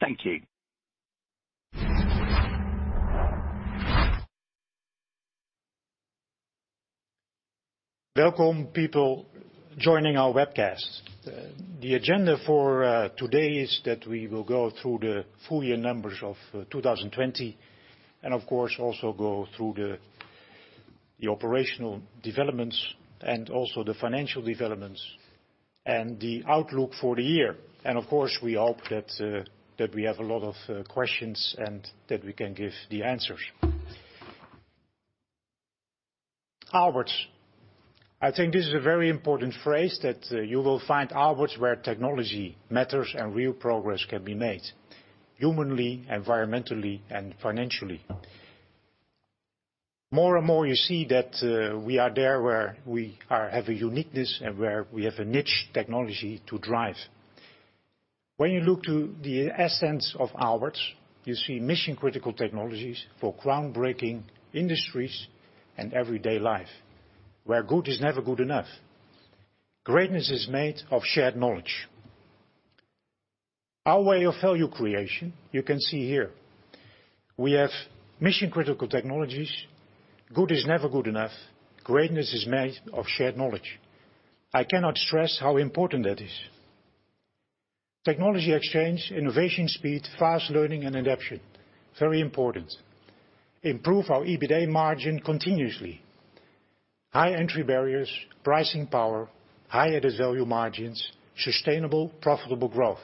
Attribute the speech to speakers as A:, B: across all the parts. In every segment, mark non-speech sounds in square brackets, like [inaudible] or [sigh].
A: Thank you. Welcome people joining our webcast. The agenda for today is that we will go through the full year numbers of 2020, and of course, also go through the operational developments and also the financial developments and the outlook for the year. Of course, we hope that we have a lot of questions and that we can give the answers. Aalberts. I think this is a very important phrase that you will find Aalberts where technology matters and real progress can be made humanly, environmentally, and financially. More and more you see that we are there where we have a uniqueness and where we have a niche technology to drive. When you look to the essence of Aalberts, you see mission-critical technologies for groundbreaking industries and everyday life, where good is never good enough. Greatness is made of shared knowledge. Our way of value creation, you can see here. We have mission-critical technologies. Good is never good enough. Greatness is made of shared knowledge. I cannot stress how important that is. Technology exchange, innovation speed, fast learning and adaption, very important. Improve our EBITDA margin continuously. High entry barriers, pricing power, added value margins, sustainable, profitable growth.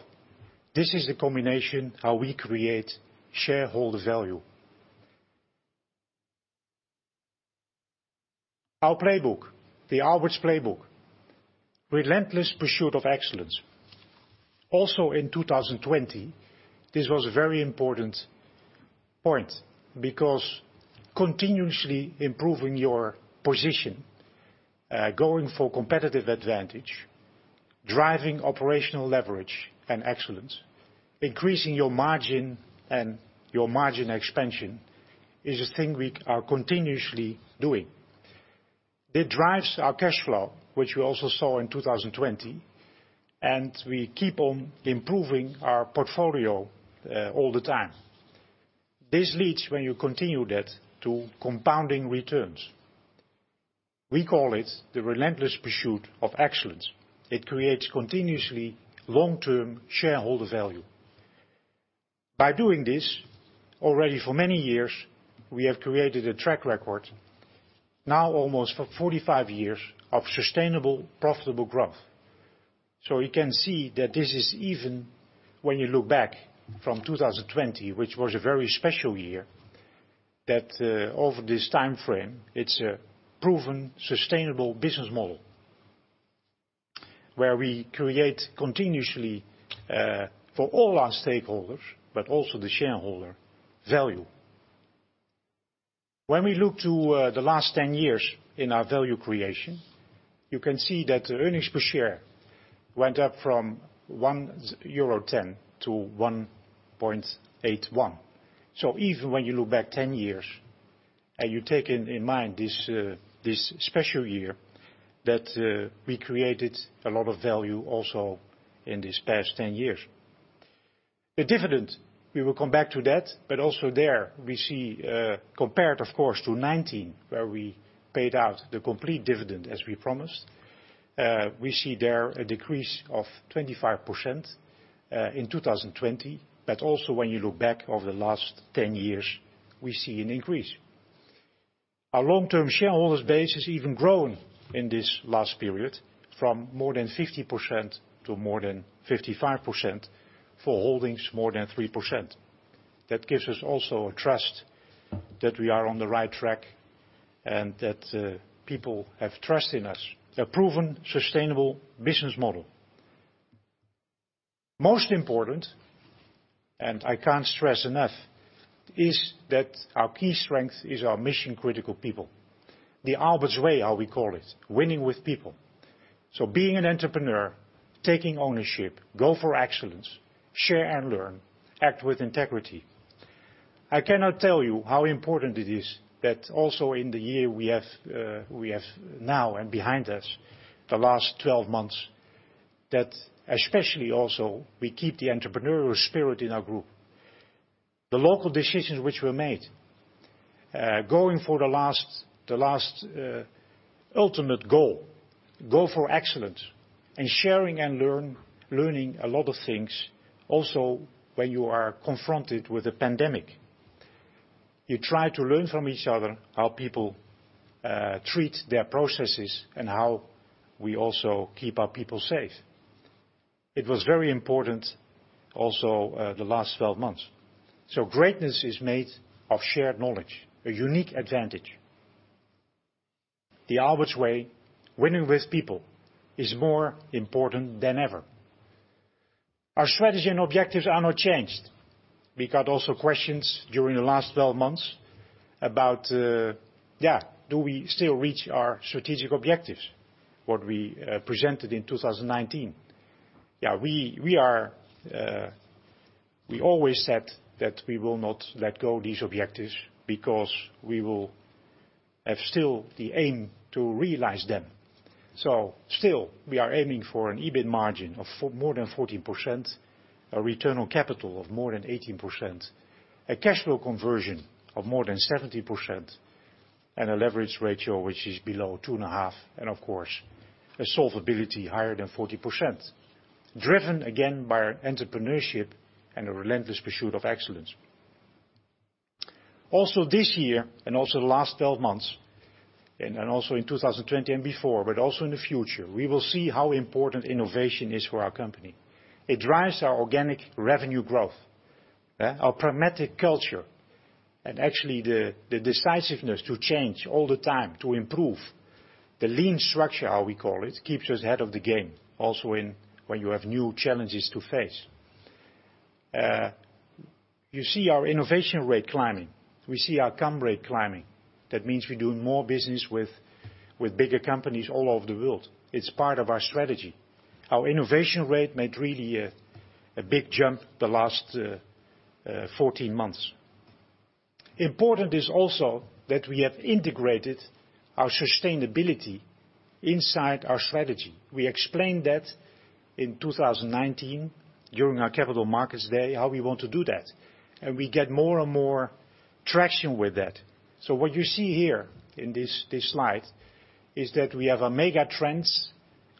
A: This is the combination how we create shareholder value. Our playbook, the Aalberts playbook, relentless pursuit of excellence. In 2020, this was a very important point because continuously improving your position, going for competitive advantage, driving operational leverage and excellence, increasing your margin and your margin expansion is a thing we are continuously doing. It drives our cash flow, which we also saw in 2020, and we keep on improving our portfolio all the time. This leads, when you continue that, to compounding returns. We call it the relentless pursuit of excellence. It creates continuously long-term shareholder value. By doing this, already for many years, we have created a track record now almost for 45 years of sustainable, profitable growth. You can see that this is even when you look back from 2020, which was a very special year, that over this timeframe, it's a proven sustainable business model where we create continuously for all our stakeholders, but also the shareholder value. When we look to the last 10 years in our value creation, you can see that the earnings per share went up from 1.10 euro- 1.81. Even when you look back 10 years and you take in mind this special year, that we created a lot of value also in these past 10 years. The dividend, we will come back to that, but also there we see, compared of course to 2019 where we paid out the complete dividend as we promised, we see there a decrease of 25% in 2020. Also when you look back over the last 10 years, we see an increase. Our long-term shareholders base has even grown in this last period from more than 50% to more than 55% for holdings more than 3%. That gives us also a trust that we are on the right track and that people have trust in us. A proven sustainable business model. Most important, and I can't stress enough, is that our key strength is our mission-critical people. The Aalberts way, how we call it, winning with people. Being an entrepreneur, taking ownership, go for excellence, share and learn, act with integrity. I cannot tell you how important it is that also in the year we have now and behind us the last 12 months, that especially also we keep the entrepreneurial spirit in our group. The local decisions which were made, going for the last ultimate goal, go for excellence and sharing and learning a lot of things also when you are confronted with a pandemic. You try to learn from each other how people treat their processes and how we also keep our people safe. It was very important also the last 12 months. Greatness is made of shared knowledge, a unique advantage. The Aalberts way, winning with people is more important than ever. Our strategy and objectives are not changed. We got also questions during the last 12 months about, do we still reach our strategic objectives, what we presented in 2019? We always said that we will not let go these objectives because we still have the aim to realize them. Still, we are aiming for an EBIT margin of more than 14%, a return on capital of more than 18%, a cash flow conversion of more than 70%, and a leverage ratio which is below 2.5, and of course, a solvability higher than 40%. Driven again by entrepreneurship and a relentless pursuit of excellence. Also this year and also the last 12 months, and also in 2020 and before, but also in the future, we will see how important innovation is for our company. It drives our organic revenue growth. Our pragmatic culture and actually the decisiveness to change all the time, to improve the lean structure, how we call it, keeps us ahead of the game, also when you have new challenges to face. You see our innovation rate climbing. We see our come rate climbing. That means we're doing more business with bigger companies all over the world. It's part of our strategy. Our innovation rate made really a big jump the last 14 months. Important is also that we have integrated our sustainability inside our strategy. We explained that in 2019 during our Capital Markets Day, how we want to do that, and we get more and more traction with that. What you see here in this slide is that we have megatrends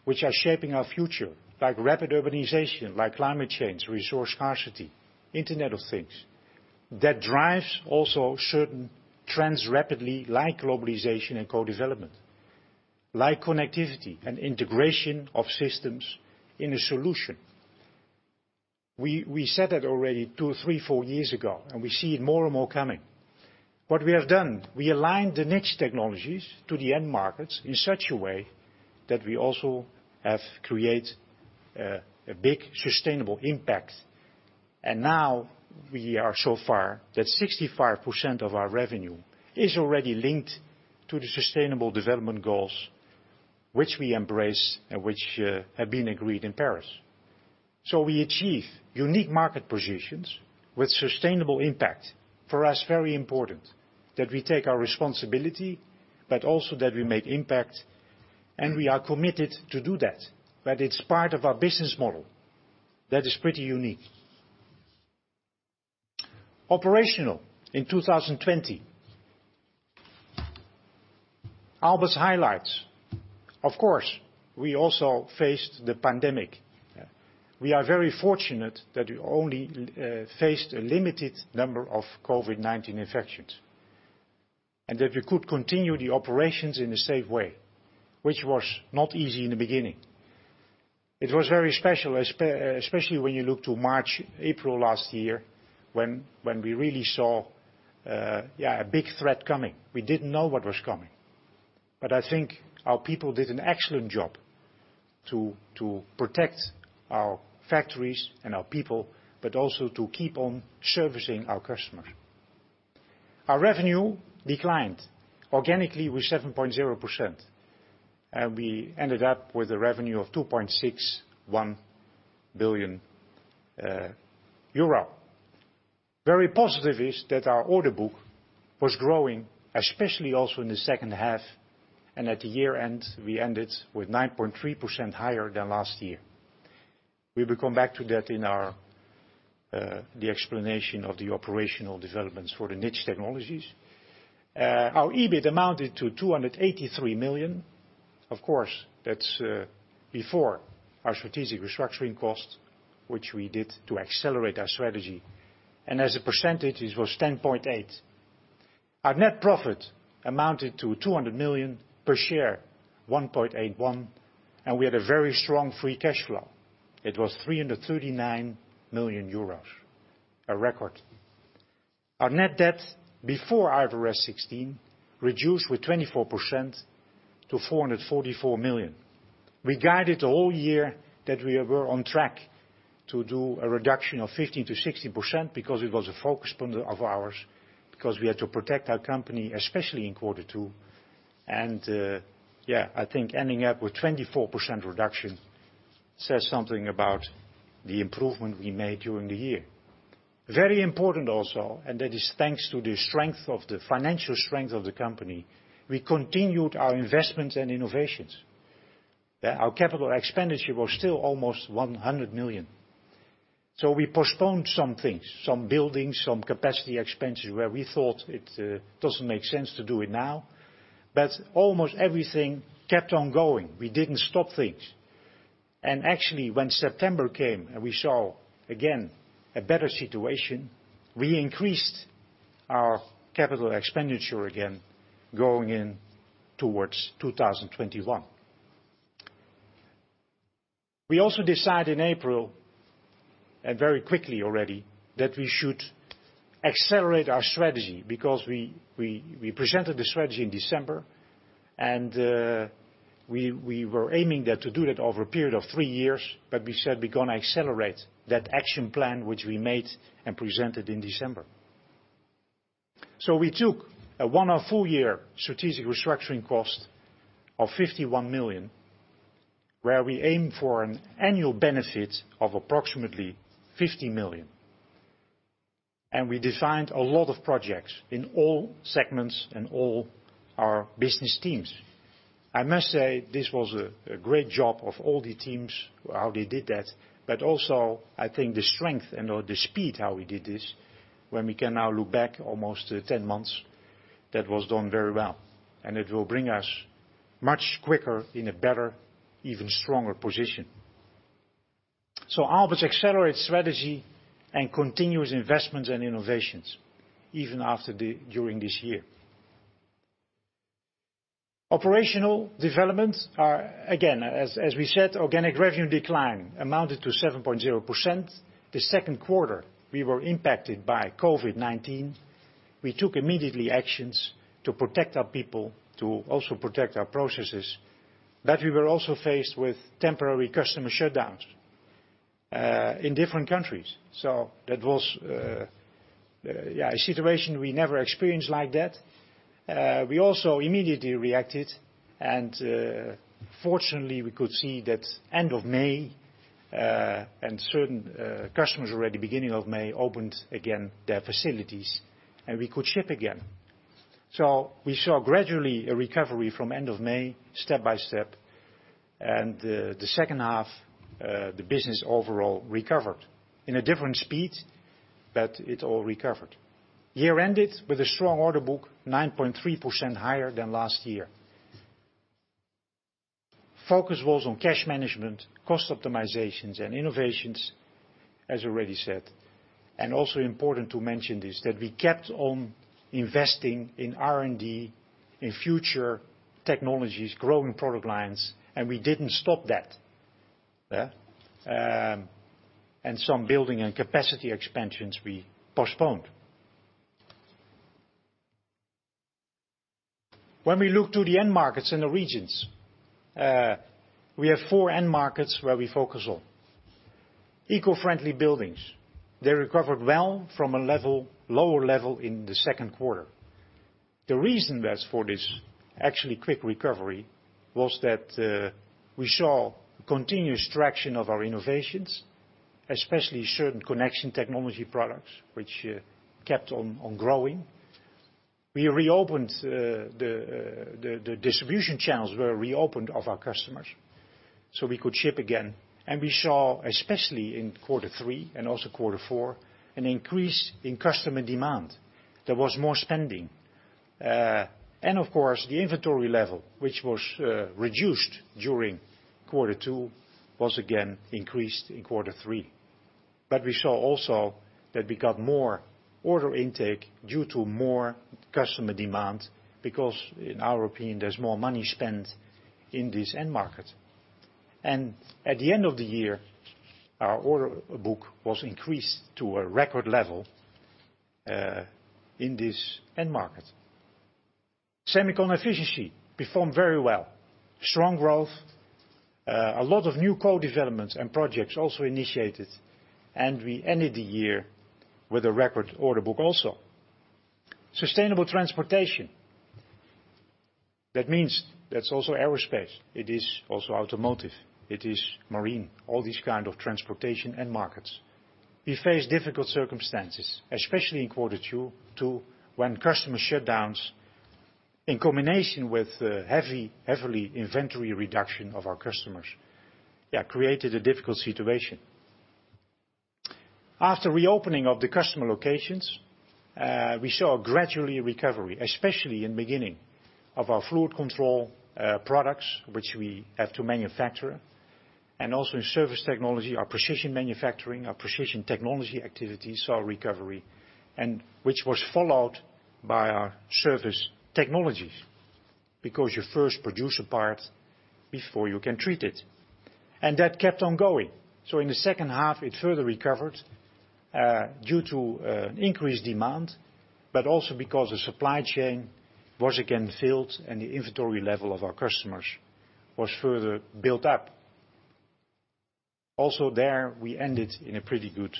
A: which are shaping our future, like rapid urbanization, like climate change, resource scarcity, Internet of Things. That drives also certain trends rapidly, like globalization and co-development, like connectivity and integration of systems in a solution. We said that already two, three, four years ago, and we see it more and more coming. What we have done, we aligned the niche technologies to the end markets in such a way that we also have create a big sustainable impact. Now we are so far that 65% of our revenue is already linked to the sustainable development goals, which we embrace and which have been agreed in Paris. We achieve unique market positions with sustainable impact. For us, very important that we take our responsibility, but also that we make impact, and we are committed to do that. That it's part of our business model. That is pretty unique. Operational in 2020. Aalberts highlights. Of course, we also faced the pandemic. We are very fortunate that we only faced a limited number of COVID-19 infections, and that we could continue the operations in a safe way, which was not easy in the beginning. It was very special, especially when you look to March, April last year when we really saw a big threat coming. We didn't know what was coming. I think our people did an excellent job to protect our factories and our people, but also to keep on servicing our customers. Our revenue declined organically with 7.0%, we ended up with a revenue of 2.61 billion euro. Very positive is that our order book was growing, especially also in the second half, at the year-end, we ended with 9.3% higher than last year. We will come back to that in the explanation of the operational developments for the niche technologies. Our EBIT amounted to 283 million. Of course, that's before our strategic restructuring cost, which we did to accelerate our strategy. As a percentage, it was 10.8%. Our net profit amounted to 200 million per share, 1.81. We had a very strong free cash flow. It was 339 million euros, a record. Our net debt before IFRS 16 reduced with 24% to 444 million. We guided the whole year that we were on track to do a reduction of 50%-60% because it was a focus point of ours, because we had to protect our company, especially in quarter two. I think ending up with 24% reduction says something about the improvement we made during the year. Very important also, that is thanks to the financial strength of the company, we continued our investments and innovations. That our capital expenditure was still almost 100 million. We postponed some things, some buildings, some capacity expenses where we thought it doesn't make sense to do it now. Almost everything kept on going. We didn't stop things. Actually, when September came and we saw, again, a better situation, we increased our capital expenditure again, going in towards 2021. We also decide in April, and very quickly already, that we should accelerate our strategy because we presented the strategy in December and we were aiming to do that over a period of three years, but we said we're going to accelerate that action plan which we made and presented in December. We took a one-off full year strategic restructuring cost of 51 million, where we aim for an annual benefit of approximately 50 million. We designed a lot of projects in all segments and all our business teams. I must say, this was a great job of all the teams, how they did that, but also I think the strength and/or the speed how we did this, when we can now look back almost 10 months, that was done very well, and it will bring us much quicker in a better, even stronger position. Aalberts accelerates strategy and continuous investments and innovations, even after during this year. Operational developments are, again, as we said, organic revenue decline amounted to 7.0%. The second quarter, we were impacted by COVID-19. We took immediately actions to protect our people, to also protect our processes. We were also faced with temporary customer shutdowns in different countries. That was a situation we never experienced like that. We also immediately reacted. Fortunately, we could see that end of May and certain customers already beginning of May opened again their facilities, and we could ship again. We saw gradually a recovery from end of May, step by step, and the second half, the business overall recovered. In a different speed, it all recovered. Year ended with a strong order book, 9.3% higher than last year. Focus was on cash management, cost optimizations, and innovations, as already said. Also important to mention this, that we kept on investing in R&D, in future technologies, growing product lines, and we didn't stop that. Some building and capacity expansions we postponed. When we look to the end markets and the regions, we have four end markets where we focus on. Eco-friendly buildings. They recovered well from a lower level in the second quarter. The reason that's for this actually quick recovery was that we saw continuous traction of our innovations, especially certain connection technology products, which kept on growing. The distribution channels were reopened of our customers, we could ship again. We saw, especially in quarter three and also quarter four, an increase in customer demand. There was more spending. Of course, the inventory level, which was reduced during quarter two, was again increased in quarter three. We saw also that we got more order intake due to more customer demand, because in our opinion, there's more money spent in this end market. At the end of the year, our order book was increased to a record level in this end market. Semiconductor efficiency performed very well. Strong growth. A lot of new co-developments and projects also initiated. We ended the year with a record order book also. Sustainable transportation. That means that's also aerospace, it is also automotive, it is marine, all these kind of transportation end markets. We faced difficult circumstances, especially in quarter two, when customer shutdowns, in combination with heavily inventory reduction of our customers, created a difficult situation. After reopening of the customer locations, we saw gradually recovery, especially in beginning of our fluid control products, which we have to manufacture, and also in Surface Technology, our precision manufacturing, our precision technology activities saw recovery. Which was followed by our Surface Technologies, because you first produce a part before you can treat it. That kept on going. In the second half, it further recovered due to increased demand, but also because the supply chain was again filled and the inventory level of our customers was further built up. Also there, we ended in a pretty good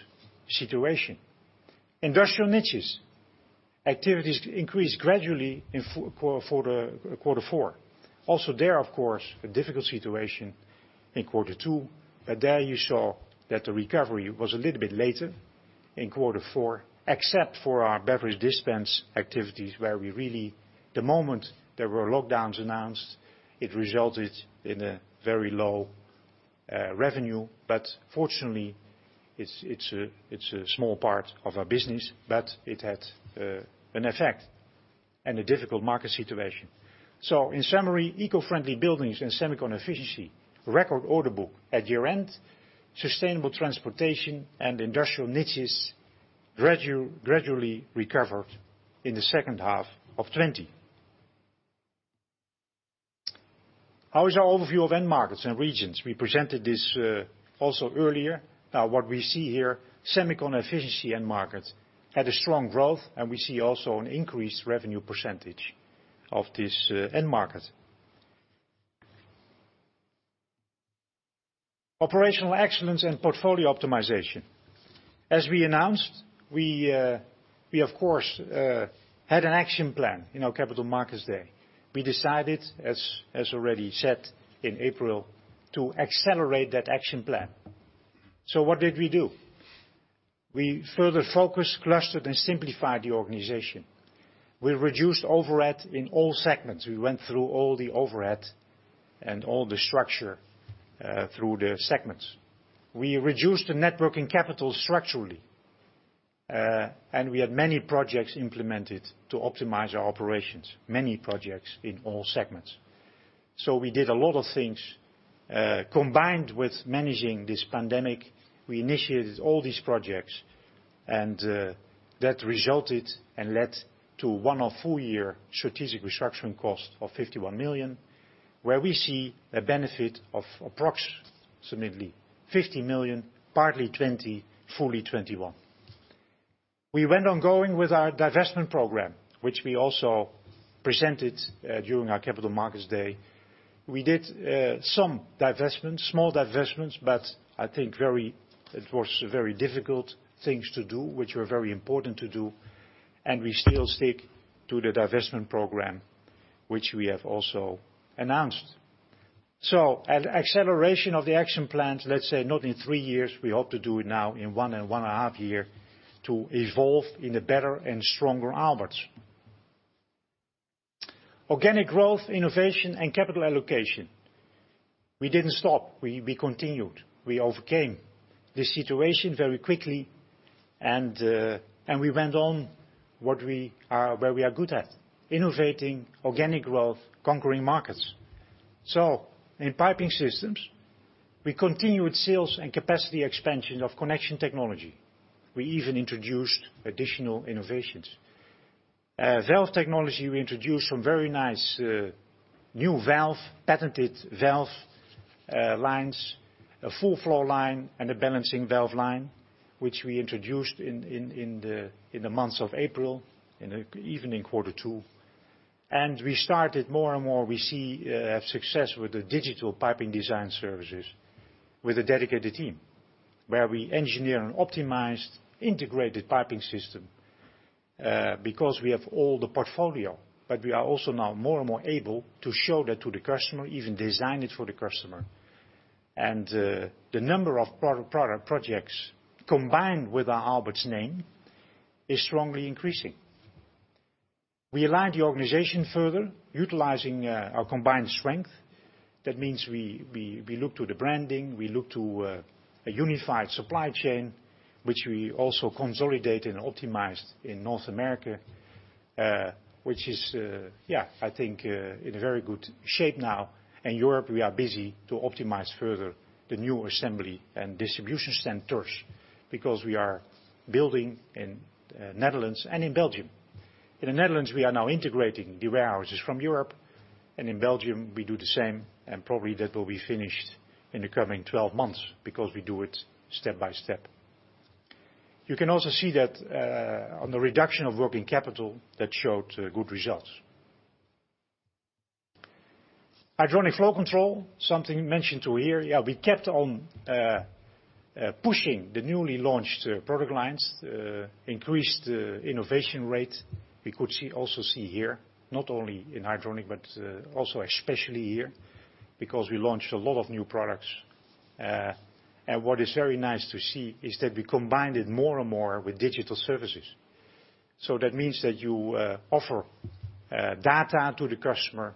A: situation. Industrial niches. Activities increased gradually in quarter four. Also there, of course, a difficult situation in quarter two. There you saw that the recovery was a little bit later in quarter four, except for our beverage dispense activities, where we really, the moment there were lockdowns announced, it resulted in a very low revenue. Fortunately, it's a small part of our business, but it had an effect and a difficult market situation. In summary, eco-friendly buildings and semiconductor efficiency, record order book at year-end, sustainable transportation and industrial niches gradually recovered in the second half of 2020. How is our overview of end markets and regions? We presented this also earlier. Now, what we see here, semiconductor efficiency end markets had a strong growth, and we see also an increased revenue percentage of this end market. Operational excellence and portfolio optimization. As we announced, we of course, had an action plan in our Capital Markets Day. We decided, as already said in April, to accelerate that action plan. What did we do? We further focused, clustered, and simplified the organization. We reduced overhead in all segments. We went through all the overhead and all the structure through the segments. We reduced the net working capital structurally, and we had many projects implemented to optimize our operations, many projects in all segments. We did a lot of things, combined with managing this pandemic, we initiated all these projects, and that resulted and led to one of full-year strategic restructuring costs of 51 million, where we see a benefit of approximately 50 million, partly 2020, fully 2021. We went on going with our divestment program, which we also presented during our Capital Markets Day. We did some divestments, small divestments, but I think it was very difficult things to do, which were very important to do, and we still stick to the divestment program, which we have also announced. An acceleration of the action plan, let's say not in three years, we hope to do it now in one and a half year to evolve in a better and stronger Aalberts. Organic growth, innovation, and capital allocation. We didn't stop. We continued. We overcame the situation very quickly we went on where we are good at, innovating organic growth, conquering markets. In piping systems, we continued sales and capacity expansion of connection technology. We even introduced additional innovations. Valve technology, we introduced some very nice new valve, patented valve lines, a full flow line, and a balancing valve line, which we introduced in the months of April and even in quarter two. We started more and more, we see success with the digital piping design services with a dedicated team, where we engineer an optimized, integrated piping system, because we have all the portfolio, but we are also now more and more able to show that to the customer, even design it for the customer. The number of product projects combined with our Aalberts name is strongly increasing. We aligned the organization further, utilizing our combined strength. That means we look to the branding, we look to a unified supply chain, which we also consolidate and optimized in North America, which is, I think, in a very good shape now. In Europe, we are busy to optimize further the new assembly and distribution centers because we are building in Netherlands and in Belgium. In the Netherlands, we are now integrating the warehouses from Europe, and in Belgium we do the same, and probably that will be finished in the coming 12 months because we do it step by step. You can also see that on the reduction of working capital that showed good results. Hydronic flow control, something mentioned to here. We kept on pushing the newly launched product lines, increased innovation rate. We could also see here, not only in Hydronic, but also especially here, because we launched a lot of new products. What is very nice to see is that we combined it more and more with Digital Services. That means that you offer data to the customer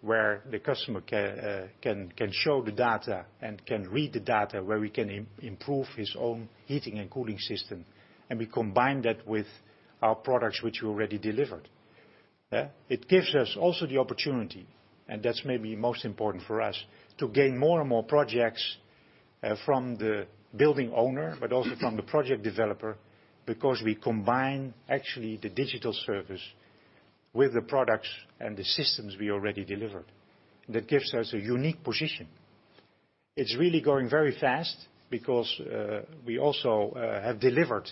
A: where the customer can show the data and can read the data where we can improve his own heating and cooling system, and we combine that with our products which we already delivered. It gives us also the opportunity, and that's maybe most important for us, to gain more and more projects from the building owner, but also from the project developer, because we combine actually the Digital Service with the products and the systems we already delivered. That gives us a unique position. It's really growing very fast because we also have delivered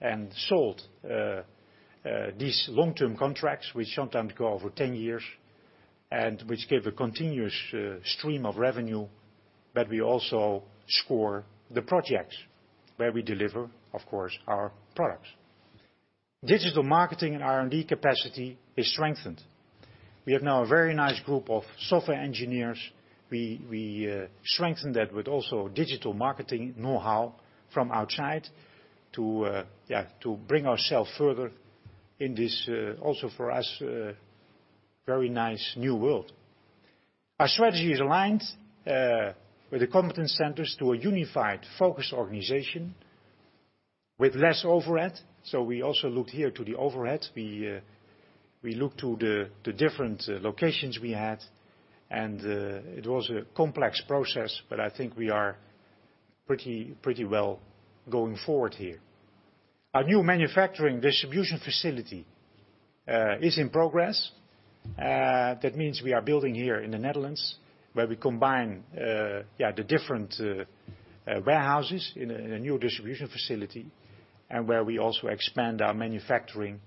A: and sold these long-term contracts, which sometimes go over 10 years, and which give a continuous stream of revenue, but we also score the projects where we deliver, of course, our products. Digital marketing and R&D capacity is strengthened. We have now a very nice group of software engineers. We strengthen that with also digital marketing knowhow from outside to bring ourself further in this, also for us, very nice new world. Our strategy is aligned with the competence centers to a unified, focused organization with less overhead. We also look here to the overhead. We look to the different locations we had, and it was a complex process, but I think we are pretty well going forward here. Our new manufacturing distribution facility is in progress. That means we are building here in the Netherlands, where we combine the different warehouses in a new distribution facility, and where we also expand our manufacturing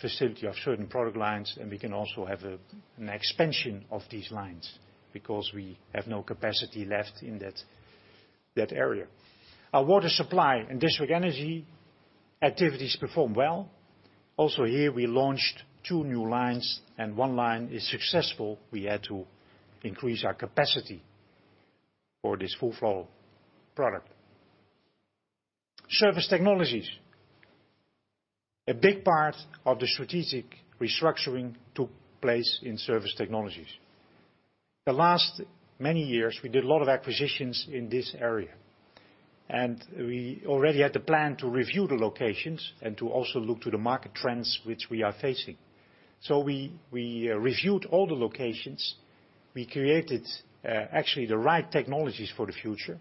A: facility of certain product lines, and we can also have an expansion of these lines, because we have no capacity left in that area. Our water supply and district energy activities performed well. Also here we launched two new lines, and one line is successful. We had to increase our capacity for this FullFlow product. Surface Technology. A big part of the strategic restructuring took place in Surface Technology. The last many years, we did a lot of acquisitions in this area, and we already had the plan to review the locations and to also look to the market trends which we are facing. We reviewed all the locations, we created actually the right technologies for the future.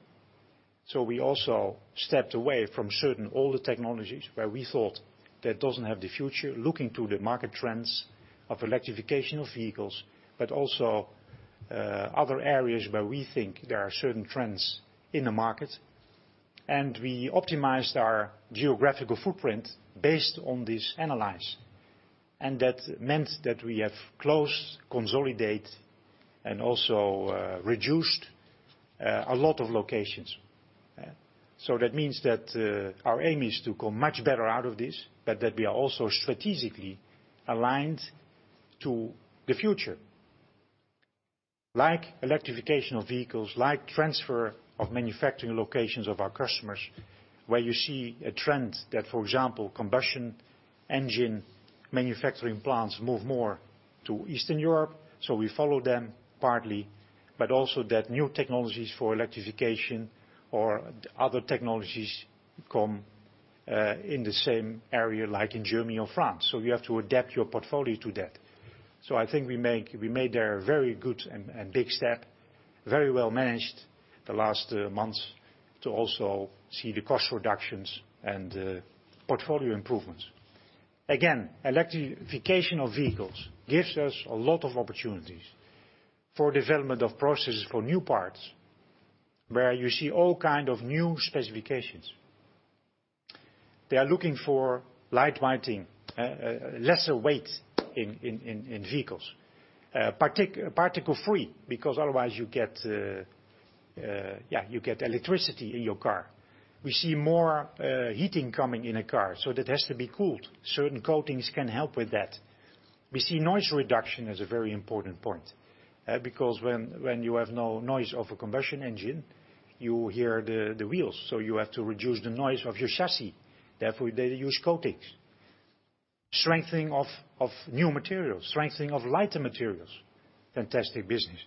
A: We also stepped away from certain older technologies where we thought that doesn't have the future, looking to the market trends of electrification of vehicles, but also other areas where we think there are certain trends in the market. We optimized our geographical footprint based on this analysis. That meant that we have closed, consolidate, and also reduced a lot of locations. That means that our aim is to come much better out of this, but that we are also strategically aligned to the future, like electrification of vehicles, like transfer of manufacturing locations of our customers, where you see a trend that, for example, combustion engine manufacturing plants move more to Eastern Europe. We follow them partly, but also that new technologies for electrification or other technologies come in the same area, like in Germany or France. You have to adapt your portfolio to that. I think we made there a very good and big step, very well managed the last months to also see the cost reductions and portfolio improvements. Again, electrification of vehicles gives us a lot of opportunities for development of processes for new parts, where you see all kind of new specifications. They are looking for light weighting, lesser weight in vehicles. Particle free, because otherwise you get electricity in your car. We see more heating coming in a car, so that has to be cooled. Certain coatings can help with that. We see noise reduction as a very important point, because when you have no noise of a combustion engine, you hear the wheels, so you have to reduce the noise of your chassis. They use coatings. Strengthening of new materials, strengthening of lighter materials. Fantastic business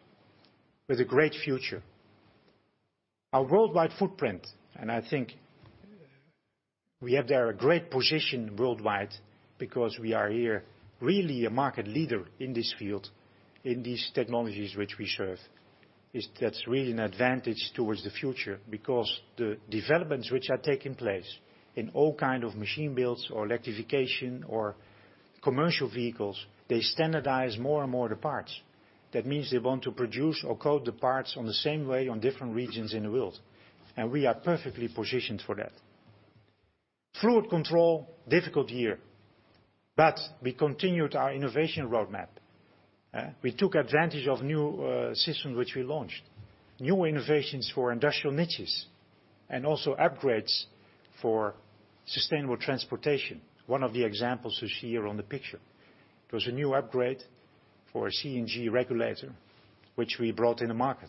A: with a great future. Our worldwide footprint, and I think we have there a great position worldwide because we are here really a market leader in this field, in these technologies which we serve. That's really an advantage towards the future because the developments which are taking place in all kind of machine builds or electrification or commercial vehicles, they standardize more and more the parts. That means they want to produce or coat the parts on the same way on different regions in the world, and we are perfectly positioned for that. Fluid control, difficult year, but we continued our innovation roadmap. We took advantage of new systems which we launched, new innovations for industrial niches, and also upgrades for sustainable transportation. One of the examples you see here on the picture. It was a new upgrade for a CNG regulator, which we brought in the market.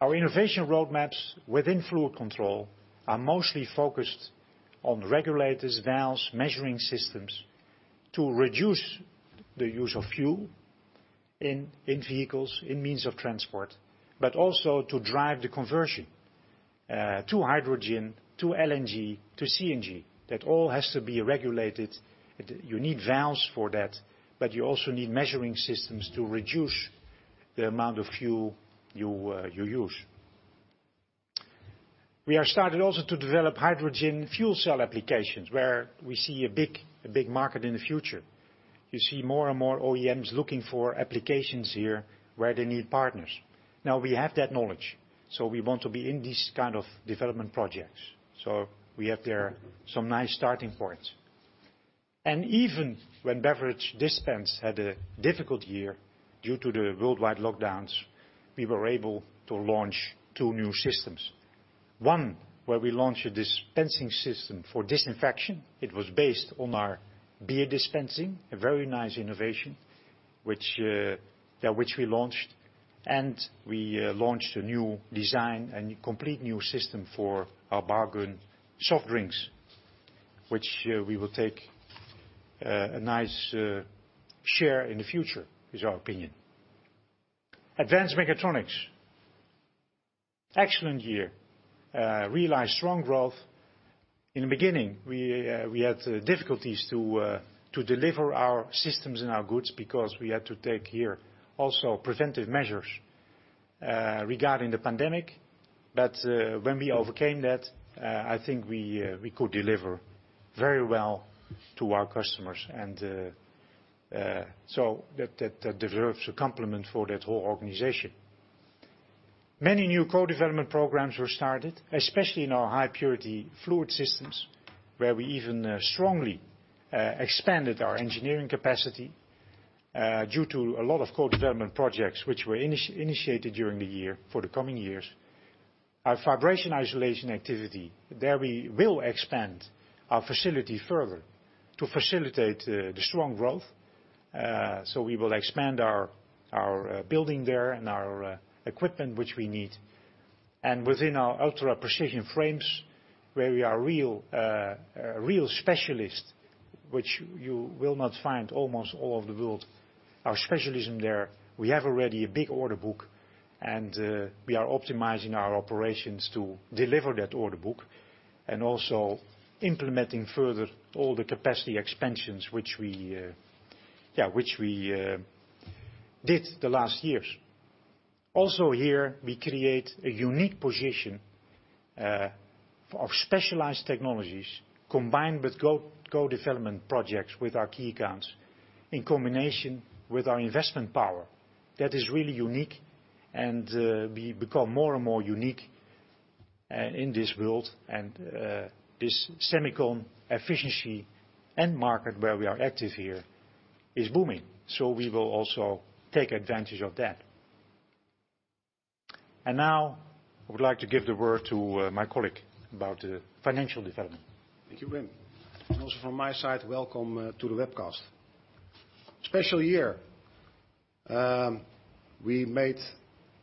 A: Our innovation roadmaps within fluid control are mostly focused on regulators, valves, measuring systems to reduce the use of fuel in vehicles, in means of transport, but also to drive the conversion, to hydrogen, to LNG, to CNG. That all has to be regulated. You need valves for that, but you also need measuring systems to reduce the amount of fuel you use. We are started also to develop hydrogen fuel cell applications where we see a big market in the future. You see more and more OEMs looking for applications here where they need partners. Now we have that knowledge, so we want to be in this kind of development projects. We have there some nice starting points. Even when beverage dispense had a difficult year due to the worldwide lockdowns, we were able to launch two new systems. One, where we launched a dispensing system for disinfection. It was based on our beer dispensing, a very nice innovation, which we launched. We launched a new design and complete new system for our bar guns for soft drinks, which we will take a nice share in the future, is our opinion. Advanced Mechatronics. Excellent year. Realized strong growth. In the beginning, we had difficulties to deliver our systems and our goods because we had to take here also preventive measures regarding the pandemic. When we overcame that, I think we could deliver very well to our customers. So that deserves a compliment for that whole organization. Many new co-development programs were started, especially in our high purity fluid systems, where we even strongly expanded our engineering capacity due to a lot of co-development projects, which were initiated during the year for the coming years. Our vibration isolation activity, there we will expand our facility further to facilitate the strong growth. We will expand our building there and our equipment which we need. Within our ultra-precision frames where we are real specialists, which you will not find almost all over the world. Our specialism there, we have already a big order book, and we are optimizing our operations to deliver that order book and also implementing further all the capacity expansions which we did the last years. Also here we create a unique position of specialized technologies combined with co-development projects with our key accounts in combination with our investment power. That is really unique and we become more and more unique in this world. This semicon efficiency end market where we are active here is booming. We will also take advantage of that. Now I would like to give the word to my colleague about the financial development.
B: Thank you, Wim. Also from my side, welcome to the webcast. Special year. We made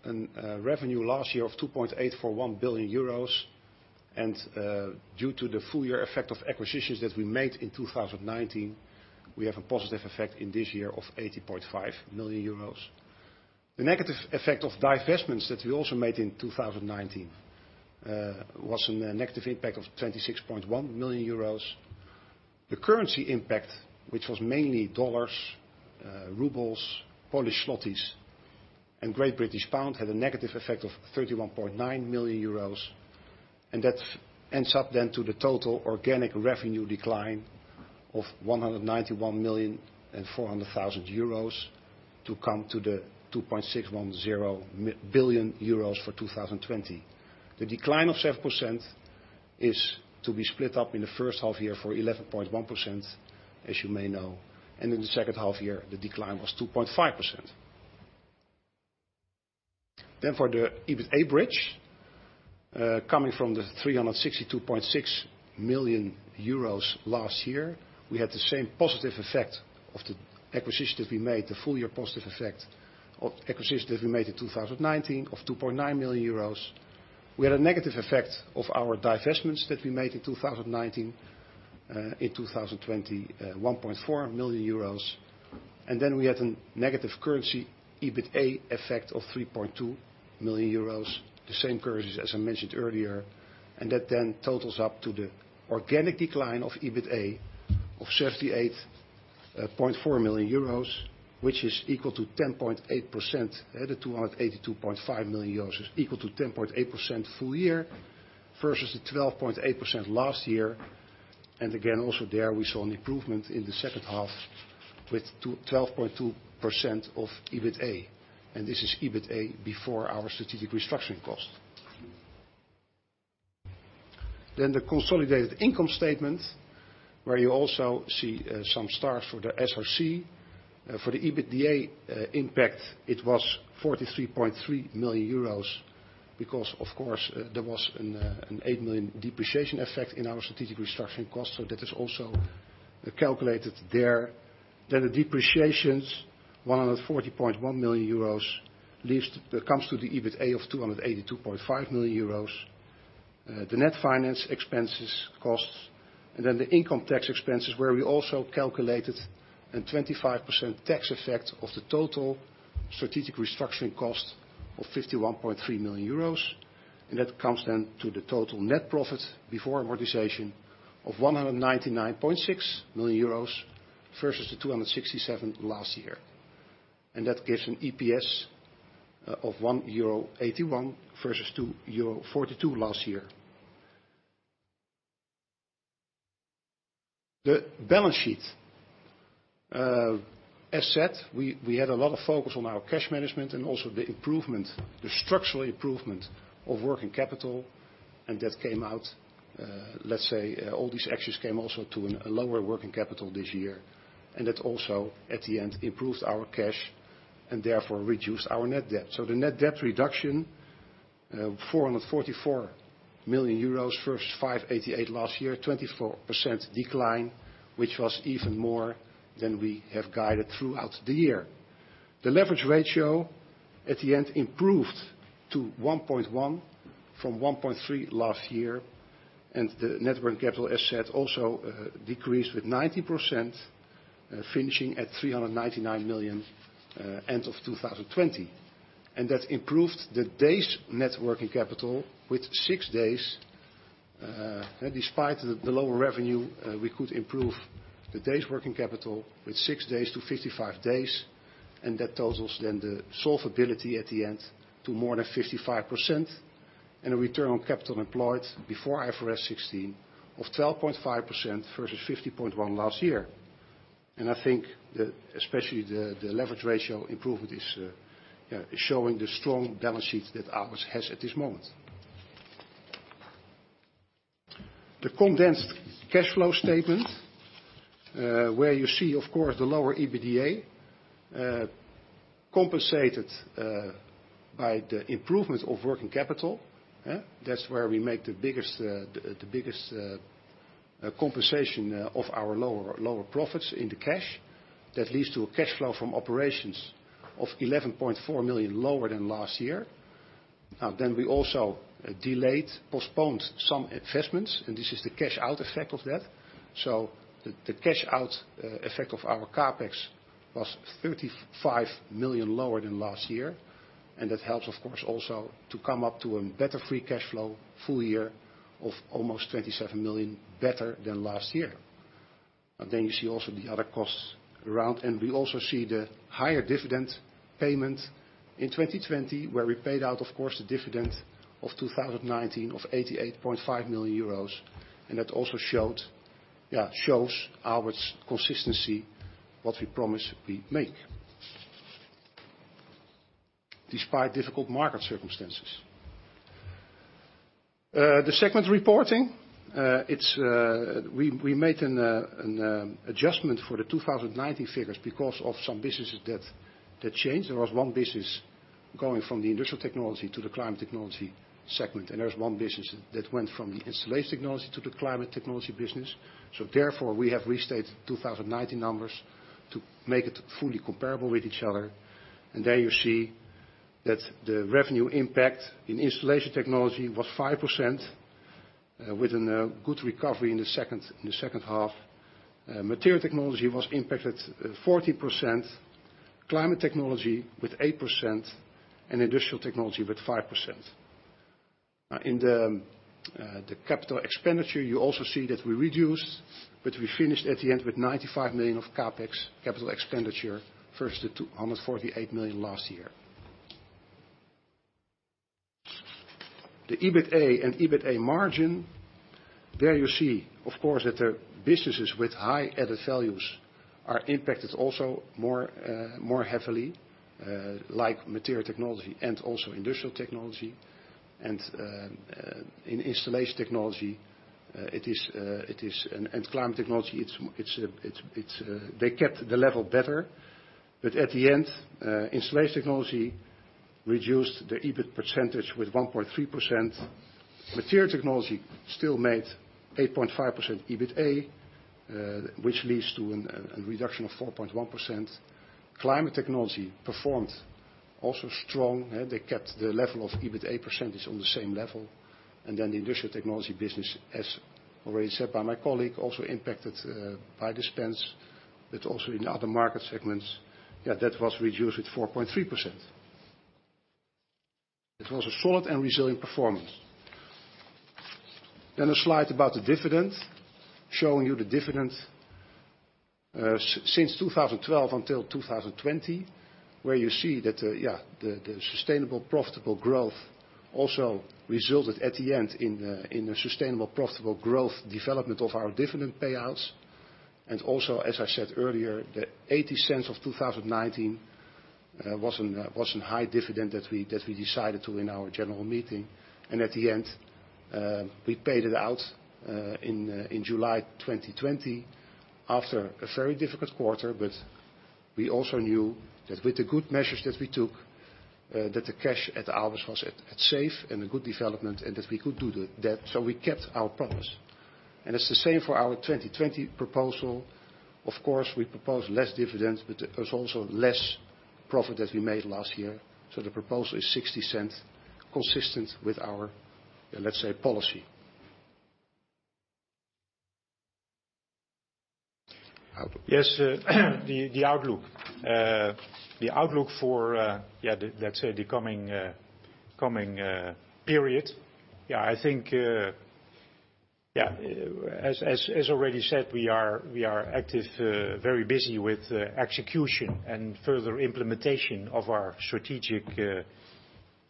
B: a revenue last year of 2.841 billion euros and due to the full year effect of acquisitions that we made in 2019, we have a positive effect in this year of 80.5 million euros. The negative effect of divestments that we also made in 2019, was a negative impact of 26.1 million euros. The currency impact, which was mainly USD, RUB, PLN, and GBP, had a negative effect of 31.9 million euros. That adds up then to the total organic revenue decline of 191.4 million to come to the 2.610 billion euros for 2020. The decline of 7% is to be split up in the first half year for 11.1%, as you may know. In the second half year, the decline was 2.5%. For the EBITA bridge, coming from the 362.6 million euros last year, we had the same positive effect of the acquisitions we made, the full year positive effect of acquisitions that we made in 2019 of 2.9 million euros. We had a negative effect of our divestments that we made in 2019, in 2020, 1.4 million euros. We had a negative currency EBITA effect of 3.2 million euros, the same currencies as I mentioned earlier. That totals up to the organic decline of EBITA of 78.4 million euros, which is equal to 10.8% at the 282.5 million euros is equal to 10.8% full year versus the 12.8% last year. Also there we saw an improvement in the second half with 12.2% of EBITA. This is EBITA before our strategic restructuring cost. The consolidated income statement, where you also see some stars for the SRC. For the EBITDA impact, it was 43.3 million euros because of course there was an 8 million depreciation effect in our strategic restructuring cost. That is also calculated there. The depreciations, 140.1 million euros at least comes to the EBITA of 282.5 million euros. The net finance expenses costs, the income tax expenses where we also calculated a 25% tax effect of the total strategic restructuring cost of 51.3 million euros. That comes to the total net profit before amortization of 199.6 million euros versus 267 million last year. That gives an EPS of 1.81 euro versus 2.42 euro last year. The balance sheet. As said, we had a lot of focus on our cash management and also the structural improvement of working capital. That came out, let's say all these actions came also to a lower working capital this year, and that also at the end improved our cash and therefore reduced our net debt. The net debt reduction, 444 million euros versus 588 million last year, 24% decline, which was even more than we have guided throughout the year. The leverage ratio at the end improved to 1.1 from 1.3 last year, and the net working capital as said also decreased with 90%, finishing at 399 million end of 2020. That improved the days' net working capital with six days. Despite the lower revenue, we could improve the days' working capital with six days to 55 days, and that totals then the solvability at the end to more than 55%. A return on capital employed before IFRS 16 of 12.5% versus 50.1% last year. I think especially the leverage ratio improvement is showing the strong balance sheet that Aalberts has at this moment. The condensed cash flow statement, where you see, of course, the lower EBITDA, compensated by the improvement of working capital. That's where we make the biggest compensation of our lower profits in the cash. That leads to a cash flow from operations of 11.4 million lower than last year. We also postponed some investments, and this is the cash out effect of that. The cash out effect of our CapEx was 35 million lower than last year. That helps, of course, also to come up to a better free cash flow full year of almost 27 million better than last year. You see also the other costs around. We also see the higher dividend payment in 2020, where we paid out, of course, the dividend of 2019 of 88.5 million euros. That also shows Aalberts' consistency, what we promise, we make, despite difficult market circumstances. The segment reporting, we made an adjustment for the 2019 figures because of some businesses that changed. There was one business going from the Industrial Technology to the Climate Technology segment, and there was one business that went from the Installation Technology to the Climate Technology business. Therefore, we have restated 2019 numbers to make it fully comparable with each other. There you see that the revenue impact in Installation Technology was 5%, with a good recovery in the second half. Material Technology was impacted 14%, Climate Technology with 8%, and Industrial Technology with 5%. In the capital expenditure, you also see that we reduced, but we finished at the end with 95 million of CapEx, capital expenditure, versus 248 million last year. The EBITA and EBITA margin, there you see, of course, that the businesses with high added values are impacted also more heavily, like Material Technology and also Industrial Technology. In Installation Technology and Climate Technology, they kept the level better. At the end, Installation Technology reduced the EBIT percentage with 1.3%. Material Technology still made 8.5% EBITA, which leads to a reduction of 4.1%. Climate Technology performed also strong. They kept the level of EBITA percentage on the same level. The Industrial Technology business, as already said by my colleague, also impacted by dispense, but also in other market segments. That was reduced with 4.3%. It was a solid and resilient performance. A slide about the dividend, showing you the dividend since 2012 until 2020, where you see that the sustainable profitable growth also resulted at the end in a sustainable profitable growth development of our dividend payouts. Also, as I said earlier, the 0.80 of 2019 was an high dividend that we decided to in our general meeting. At the end, we paid it out in July 2020 after a very difficult quarter. We also knew that with the good measures that we took, that the cash at Aalberts was safe and a good development, and that we could do that. We kept our promise. It's the same for our 2020 proposal. Of course, we propose less dividends, but there's also less profit that we made last year. The proposal is 0.60, consistent with our, let's say, policy.
A: Yes. The outlook. The outlook for, let's say, the coming period. I think, as already said, we are active, very busy with execution and further implementation of our strategic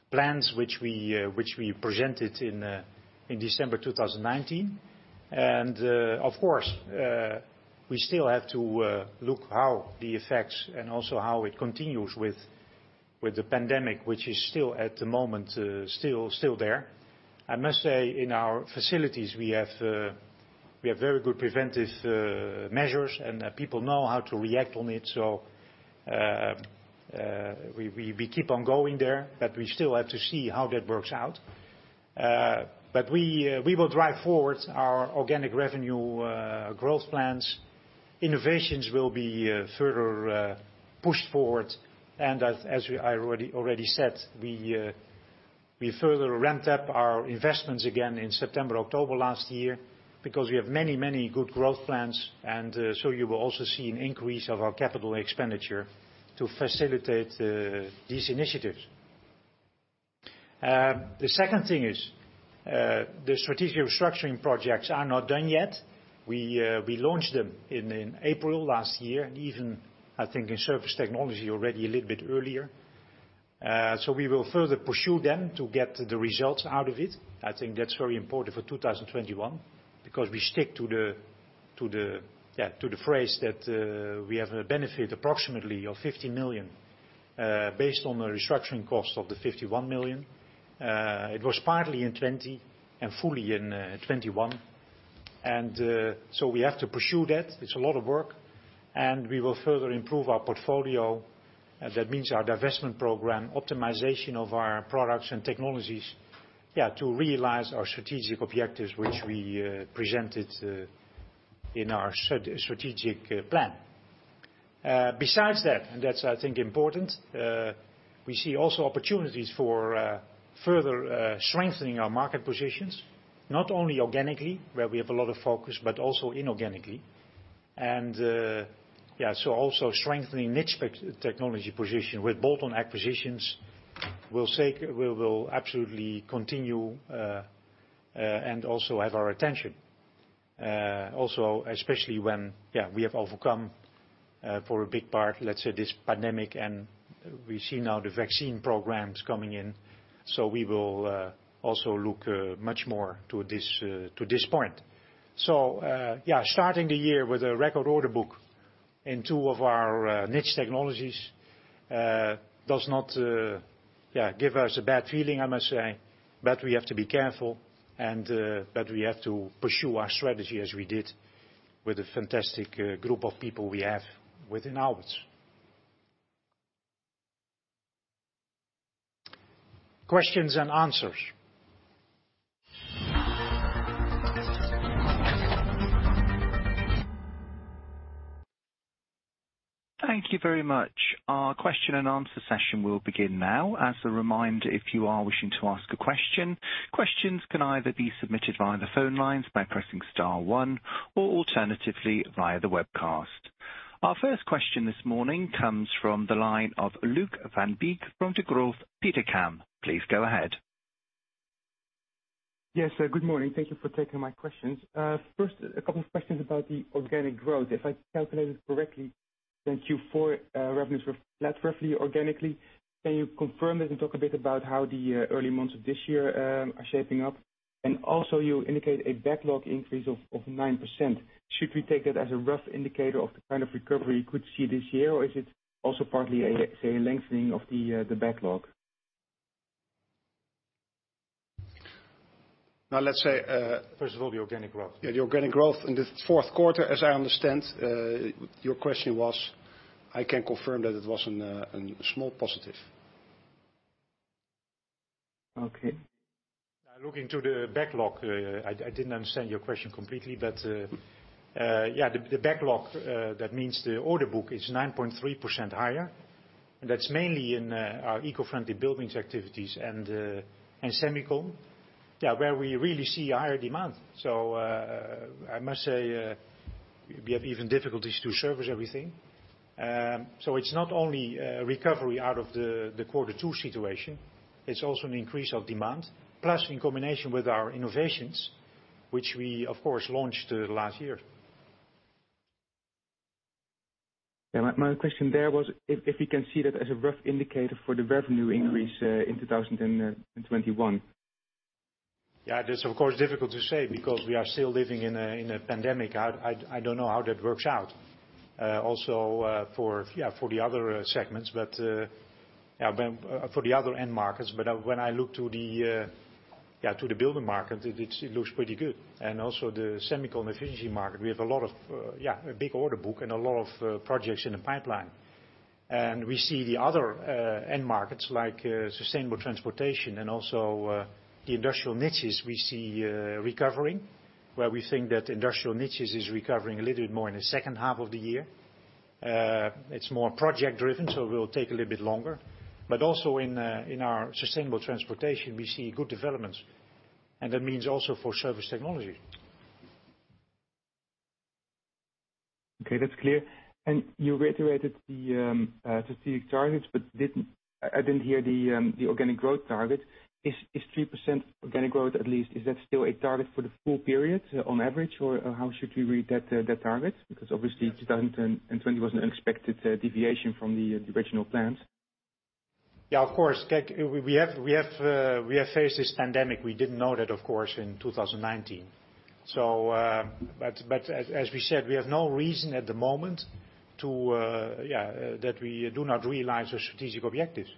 A: plans, which we presented in December 2019. Of course, we still have to look how the effects and also how it continues with the pandemic, which is still at the moment still there. I must say, in our facilities, we have very good preventive measures, and people know how to react on it. We keep on going there, but we still have to see how that works out. We will drive forward our organic revenue growth plans. Innovations will be further pushed forward. As I already said, we further ramped up our investments again in September, October last year because we have many good growth plans. You will also see an increase of our CapEx to facilitate these initiatives. The second thing is the strategic restructuring projects are not done yet. We launched them in April last year, and even I think in Surface Technology already a little bit earlier. We will further pursue them to get the results out of it. I think that's very important for 2021, because we stick to the phrase that we have a benefit approximately of 50 million, based on the restructuring cost of the 51 million. It was partly in 2020 and fully in 2021. We have to pursue that. It's a lot of work, and we will further improve our portfolio. That means our divestment program, optimization of our products and technologies, to realize our strategic objectives, which we presented in our strategic plan. Besides that, and that's, I think important, we see also opportunities for further strengthening our market positions. Not only organically, where we have a lot of focus, but also inorganically. Also strengthening niche technology position with bolt-on acquisitions will absolutely continue and also have our attention. Also, especially when we have overcome for a big part, let's say, this pandemic, and we see now the vaccine programs coming in. We will also look much more to this point. Starting the year with a record order book in two of our niche technologies does not give us a bad feeling, I must say. We have to be careful, but we have to pursue our strategy as we did with the fantastic group of people we have within Aalberts. Questions and answers.
C: Thank you very much. Our question and answer session will begin now. As a reminder, if you are wishing to ask a question, questions can either be submitted via the phone lines by pressing star one, or alternatively, via the webcast. Our first question this morning comes from the line of Luuk van Beek from Degroof Petercam. Please go ahead.
D: Yes. Good morning. Thank you for taking my questions. First, a couple of questions about the organic growth. If I calculated correctly, Q4 revenues were flat roughly organically. Can you confirm this and talk a bit about how the early months of this year are shaping up? Also, you indicate a backlog increase of 9%. Should we take it as a rough indicator of the kind of recovery we could see this year? Is it also partly a lengthening of the backlog?
A: First of all, the organic growth in the fourth quarter, as I understand your question was, I can confirm that it was a small positive.
D: Okay.
A: Looking to the backlog, I didn't understand your question completely, the backlog, that means the order book is 9.3% higher. That's mainly in our eco-friendly buildings activities and semicon, where we really see a higher demand. I must say, we have even difficulties to service everything. It's not only a recovery out of the quarter two situation, it's also an increase of demand. In combination with our innovations, which we, of course, launched last year.
D: My question there was if we can see that as a rough indicator for the revenue increase in 2021.
A: That's of course difficult to say because we are still living in a pandemic. I don't know how that works out. Also for the other segments, but for the other end markets. When I look to the building market, it looks pretty good. Also the semicon efficiency market, we have a big order book and a lot of projects in the pipeline. We see the other end markets like sustainable transportation and also the industrial niches we see recovering, where we think that industrial niches is recovering a little bit more in the second half of the year. It's more project driven, so it will take a little bit longer. Also in our sustainable transportation, we see good developments, and that means also for Surface Technology.
D: Okay, that's clear. You reiterated the strategic targets, but I didn't hear the organic growth target. Is 3% organic growth at least, is that still a target for the full period on average, or how should we read that target? Because obviously 2020 was an unexpected deviation from the original plans.
A: Yeah, of course. We have faced this pandemic. We didn't know that, of course, in 2019. As we said, we have no reason at the moment that we do not realize our strategic objectives.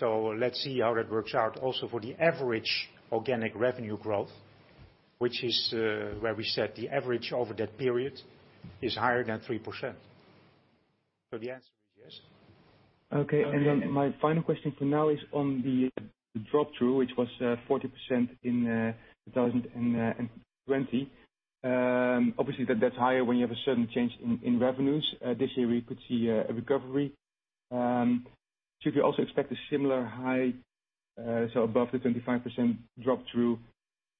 A: Let's see how that works out also for the average organic revenue growth, which is where we said the average over that period is higher than 3%. The answer is yes.
D: Okay. My final question for now is on the drop-through, which was 40% in 2020. Obviously, that's higher when you have a sudden change in revenues. This year, we could see a recovery. Should we also expect a similar high, so above the 25% drop-through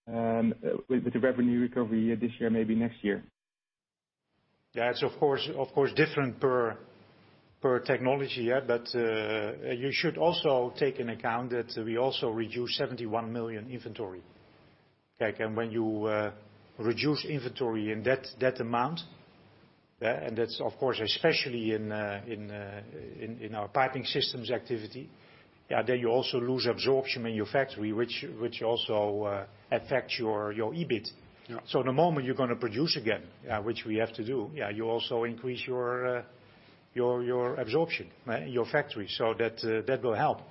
D: with the revenue recovery this year, maybe next year?
A: It's of course different per technology. You should also take into account that we also reduced 71 million inventory. When you reduce inventory in that amount. That's of course, especially in our piping systems activity. You also lose absorption in your factory, which also affects your EBIT.
D: Yeah.
A: The moment you're going to produce again, which we have to do, you also increase your absorption in your factory. That will help.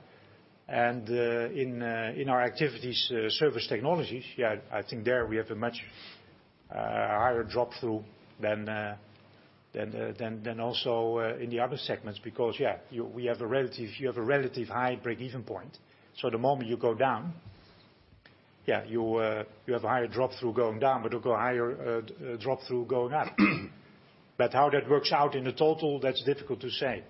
A: In our activities, Surface Technology, I think there we have a much higher drop-through than also in the other segments, because you have a relative high break-even point. The moment you go down, you have a higher drop-through going down, but you've got a higher drop-through going up. How that works out in the total, that's difficult to say.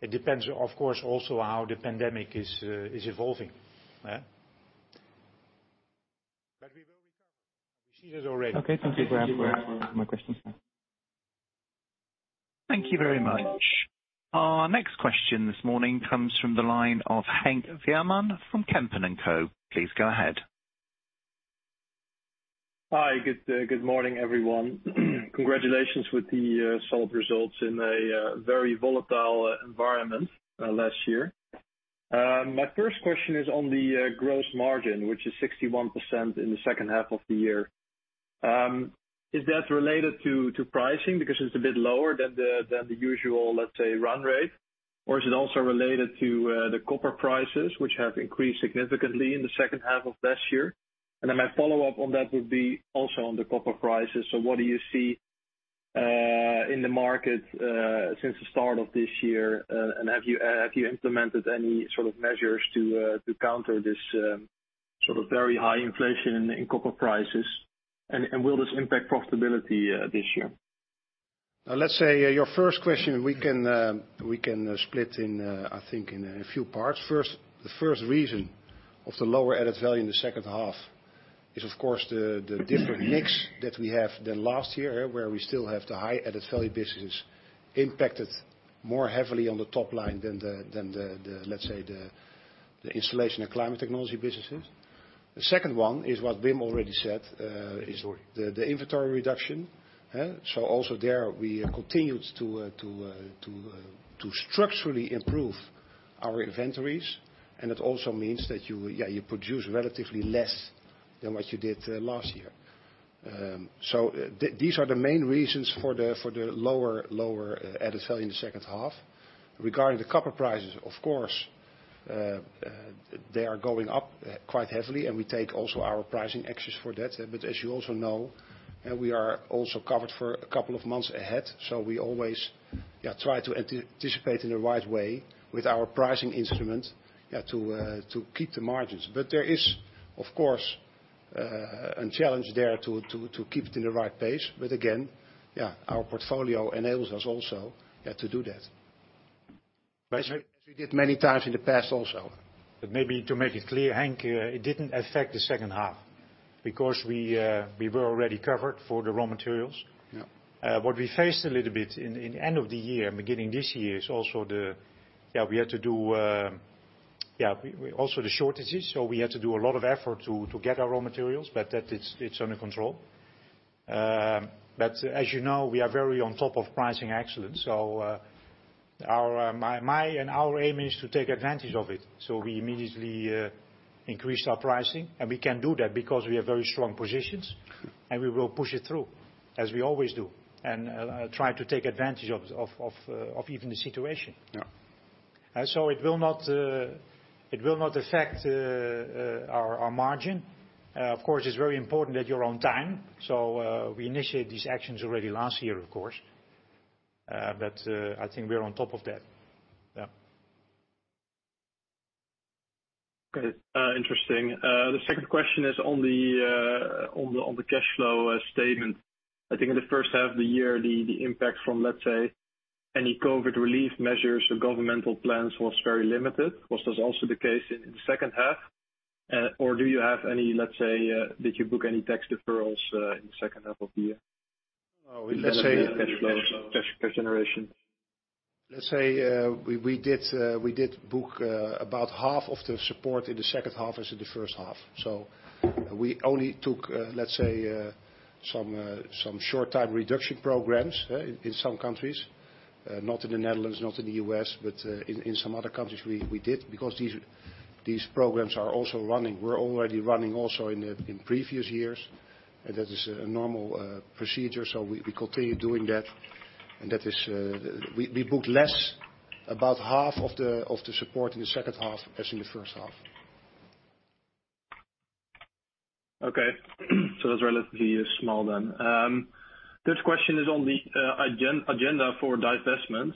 A: It depends, of course, also how the pandemic is evolving. [inaudible]
D: Okay, thank you. I have no more questions now.
C: Thank you very much. Our next question this morning comes from the line of Henk Veerman from Kempen & Co. Please go ahead.
E: Hi. Good morning, everyone. Congratulations with the solid results in a very volatile environment last year. My first question is on the gross margin, which is 61% in the second half of the year. Is that related to pricing because it's a bit lower than the usual, let's say, run rate? Is it also related to the copper prices, which have increased significantly in the second half of last year? My follow-up on that would be also on the copper prices. What do you see in the market since the start of this year? Have you implemented any sort of measures to counter this sort of very high inflation in copper prices? Will this impact profitability this year?
B: Let's say, your first question we can split in, I think in a few parts. First, the first reason of the lower added value in the second half is, of course, the different mix that we have than last year, where we still have the high added-value businesses impacted more heavily on the top line than the, let's say, the Installation Technology and Climate Technology businesses. The second one is what Wim already said, the inventory reduction. Also there we continued to structurally improve our inventories, and it also means that you produce relatively less than what you did last year. These are the main reasons for the lower added value in the second half. Regarding the copper prices, of course, they are going up quite heavily, and we take also our pricing actions for that. As you also know, we are also covered for a couple of months ahead. We always try to anticipate in the right way with our pricing instrument to keep the margins. There is, of course, a challenge there to keep it in the right pace. Again, our portfolio enables us also to do that as we did many times in the past also.
A: Maybe to make it clear, Henk, it didn't affect the second half because we were already covered for the raw materials.
B: Yeah.
A: What we faced a little bit in end of the year and beginning this year is also We had to do also the shortages, so we had to do a lot of effort to get our raw materials, but that it's under control. As you know, we are very on top of pricing excellence, so my and our aim is to take advantage of it. We immediately increased our pricing, and we can do that because we have very strong positions, and we will push it through as we always do, and try to take advantage of even the situation.
B: Yeah.
A: It will not affect our margin. Of course, it's very important that you're on time. We initiate these actions already last year, of course. I think we're on top of that. Yeah.
E: Okay, interesting. The second question is on the cash flow statement. I think in the first half of the year, the impact from, let's say, any COVID relief measures or governmental plans was very limited. Was this also the case in the second half? Do you book any tax deferrals in the second half of the year?
B: No. Cash flows, cash generation.
A: Let's say we did book about half of the support in the second half as in the first half. We only took, let's say, some short-time reduction programs in some countries, not in the Netherlands, not in the U.S., but in some other countries we did, because these programs are also running. We're already running also in previous years, that is a normal procedure. We continue doing that. We booked less, about half of the support in the second half as in the first half.
E: Okay. That's relatively small then. Third question is on the agenda for divestments.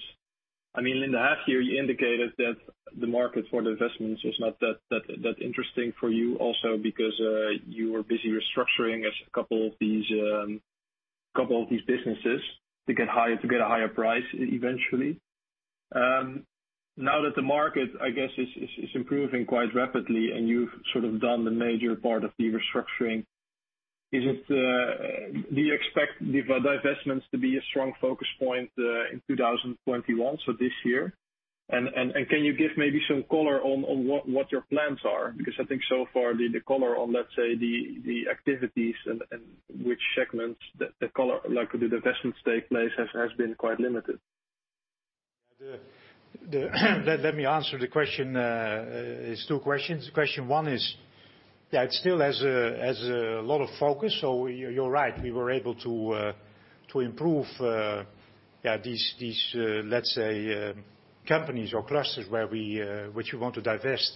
E: In the half year, you indicated that the market for divestments is not that interesting for you also because you are busy restructuring a couple of these businesses to get a higher price eventually. Now that the market, I guess, is improving quite rapidly and you've sort of done the major part of the restructuring, do you expect the divestments to be a strong focus point in 2021, so this year? Can you give maybe some color on what your plans are? I think so far the color on, let’s say, the activities and which segments, the color of the divestments take place has been quite limited.
A: Let me answer the question. It's two questions. Question one is, it still has a lot of focus. You're right, we were able to improve, these, let's say, companies or clusters which we want to divest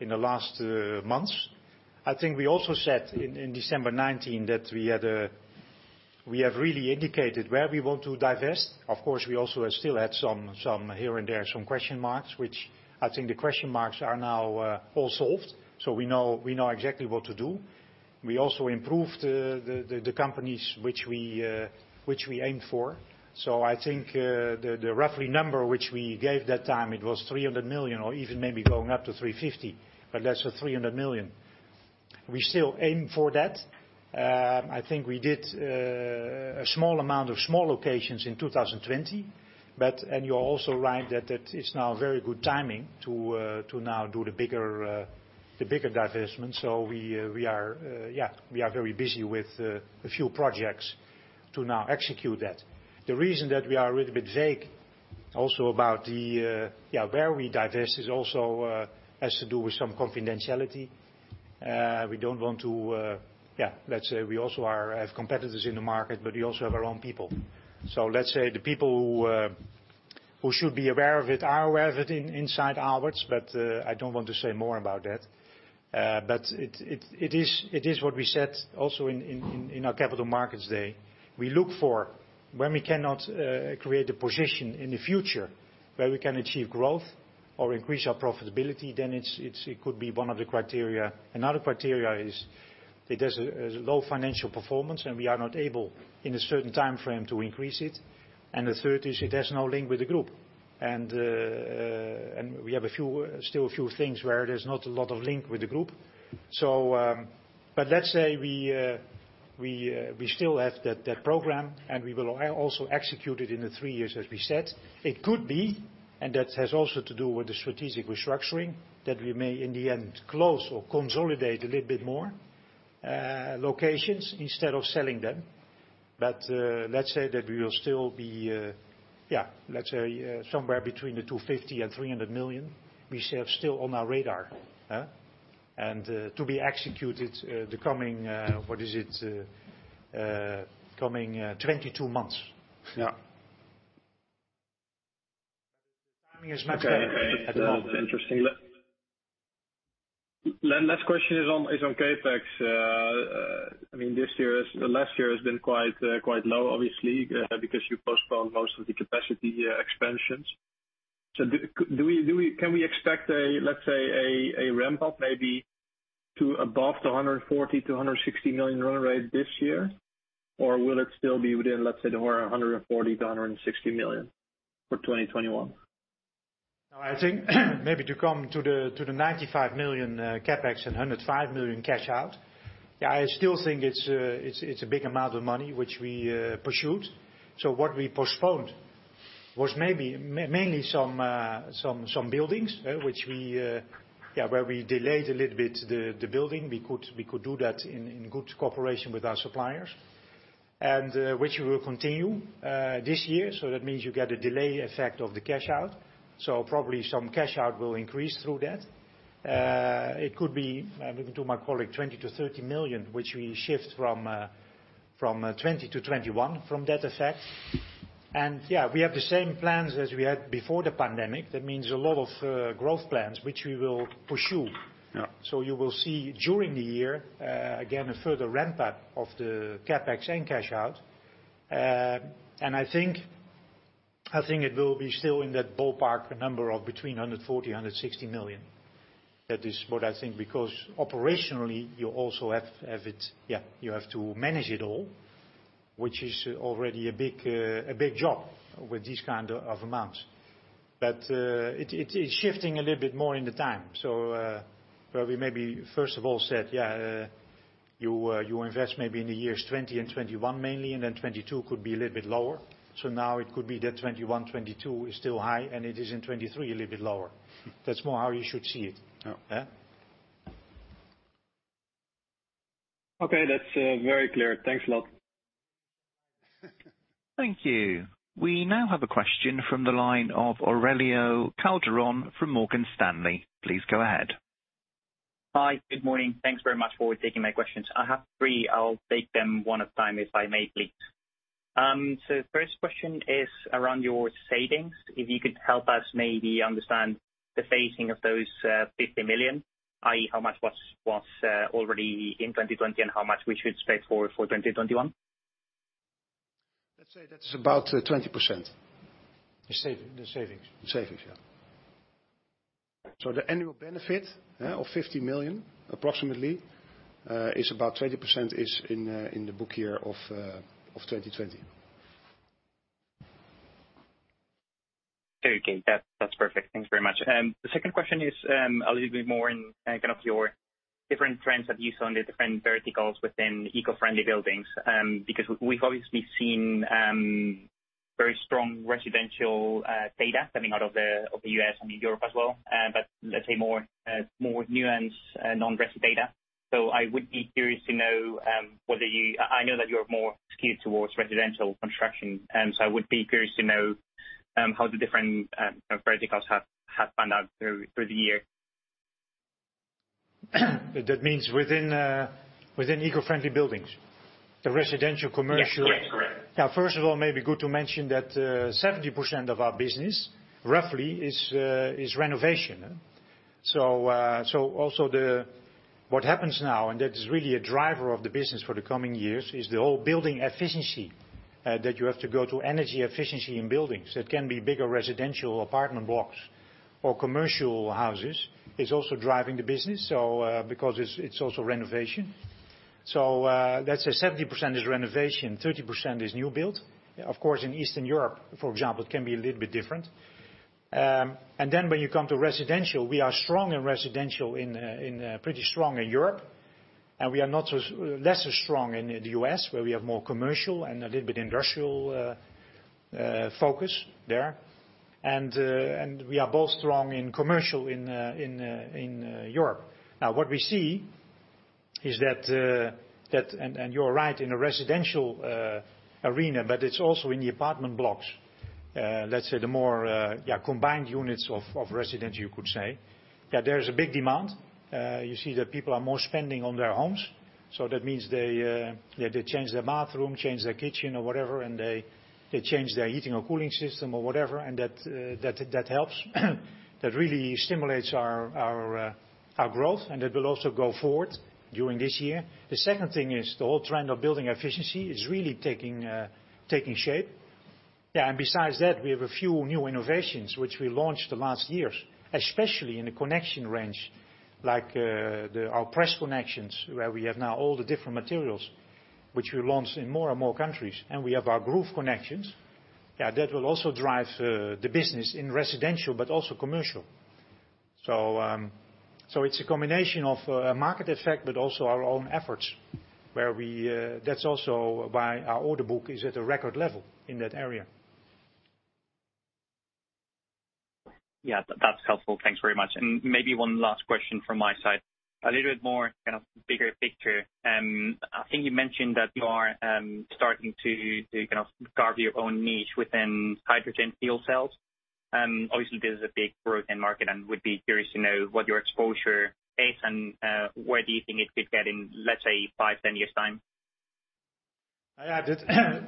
A: in the last months. I think we also said in December 2019 that we have really indicated where we want to divest. Of course, we also still had, here and there, some question marks. Which I think the question marks are now all solved, so we know exactly what to do. We also improved the companies which we aimed for. I think the roughly number which we gave that time, it was 300 million or even maybe going up to 350 million, but that's a 300 million. We still aim for that. I think we did a small amount of small locations in 2020. You're also right that it's now very good timing to now do the bigger divestment. We are very busy with a few projects to now execute that. The reason that we are a little bit vague also about where we divest also has to do with some confidentiality. Let's say we also have competitors in the market, but we also have our own people. Let's say the people who should be aware of it are aware of it inside Aalberts, but I don't want to say more about that. It is what we said also in our capital markets day. We look for when we cannot create a position in the future where we can achieve growth or increase our profitability, then it could be one of the criteria. Another criteria is it has a low financial performance, and we are not able in a certain timeframe to increase it. The third is it has no link with the group. We have still a few things where there's not a lot of link with the group. Let's say we still have that program, and we will also execute it in the three years as we said. It could be, and that has also to do with the strategic restructuring, that we may in the end close or consolidate a little bit more locations instead of selling them. Let's say that we will still be somewhere between the 250 million and 300 million we have still on our radar. To be executed the coming, what is it, 22 months. [crosstalk]
E: Okay. Interesting. Last question is on CapEx. Last year has been quite low, obviously, because you postponed most of the capacity expansions. Can we expect, let's say, a ramp up maybe to above the 140 million-160 million run rate this year? Will it still be within, let's say, the 140 million-160 million for 2021?
A: I think maybe to come to the 95 million CapEx and 105 million cash out. I still think it's a big amount of money which we pursued. What we postponed was mainly some buildings, where we delayed a little bit the building. We could do that in good cooperation with our suppliers, and which we will continue this year. That means you get a delay effect of the cash-out. Probably some cash-out will increase through that. It could be, maybe to my colleague, 20 million-30 million, which we shift from 2020 to 2021 from that effect. Yeah, we have the same plans as we had before the pandemic. That means a lot of growth plans, which we will pursue.
E: Yeah.
A: You will see during the year, again, a further ramp-up of the CapEx and cash-out. I think it will be still in that ballpark number of between 140 million-160 million. That is what I think, because operationally, you also have to manage it all, which is already a big job with these kind of amounts. It's shifting a little bit more in the time. Probably maybe first of all said, you invest maybe in the years 2020 and 2021 mainly, and then 2022 could be a little bit lower. Now it could be that 2021, 2022 is still high, and it is in 2023 a little bit lower. That's more how you should see it.
E: Yeah. Okay, that's very clear. Thanks a lot.
C: Thank you. We now have a question from the line of Aurelio Calderon from Morgan Stanley. Please go ahead.
F: Hi. Good morning. Thanks very much for taking my questions. I have three. I'll take them one at a time, if I may, please. The first question is around your savings. If you could help us maybe understand the phasing of those 50 million, i.e., how much was already in 2020 and how much we should expect for 2021?
A: Let's say that's about 20%. The savings. The savings, yeah. The annual benefit of 50 million, approximately, is about 20% is in the book year of 2020.
F: Okay. That's perfect. Thanks very much. The second question is a little bit more in kind of your different trends that you saw on the different verticals within eco-friendly buildings. We've obviously seen very strong residential data coming out of the U.S. and Europe as well, but let's say more nuanced non-resi data. I would be curious to know, I know that you're more skewed towards residential construction. I would be curious to know how the different verticals have panned out through the year.
A: That means within eco-friendly buildings, the residential, commercial?
F: Yes, correct.
A: Now, first of all, maybe good to mention that 70% of our business, roughly, is renovation. Also what happens now, and that is really a driver of the business for the coming years, is the whole building efficiency, that you have to go to energy efficiency in buildings. That can be bigger residential apartment blocks or commercial houses, is also driving the business. Because it's also renovation. Let's say 70% is renovation, 30% is new build. Of course, in Eastern Europe, for example, it can be a little bit different. When you come to residential, we are strong in residential, pretty strong in Europe, and we are lesser strong in the U.S., where we have more commercial and a little bit industrial focus there. We are both strong in commercial in Europe. What we see is that, you're right, in a residential arena, but it's also in the apartment blocks. Let's say the more, combined units of residents, you could say. There's a big demand. You see that people are more spending on their homes. That means they change their bathroom, change their kitchen or whatever, they change their heating or cooling system or whatever, that helps. That really stimulates our growth, that will also go forward during this year. The second thing is the whole trend of building efficiency is really taking shape. Besides that, we have a few new innovations which we launched the last years, especially in the connection range, like our press connections, where we have now all the different materials, which we launch in more and more countries. We have our groove connections. That will also drive the business in residential, but also commercial. It's a combination of market effect, but also our own efforts. That's also why our order book is at a record level in that area.
F: Yeah, that's helpful. Thanks very much. Maybe one last question from my side, a little bit more kind of bigger picture. I think you mentioned that you are starting to kind of carve your own niche within hydrogen fuel cells. Obviously, this is a big growth end market, and would be curious to know what your exposure is and where do you think it could get in, let's say, five, 10 years' time?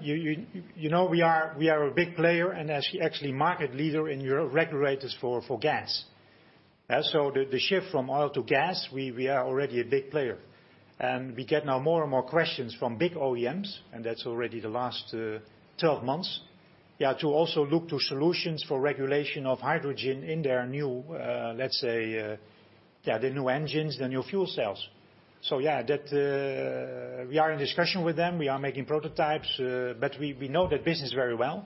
A: You know we are a big player, and actually market leader in Europe, regulators for gas. The shift from oil to gas, we are already a big player. We get now more and more questions from big OEMs, and that's already the last 12 months, to also look to solutions for regulation of hydrogen in their new engines, the new fuel cells. We are in discussion with them. We are making prototypes. We know that business very well.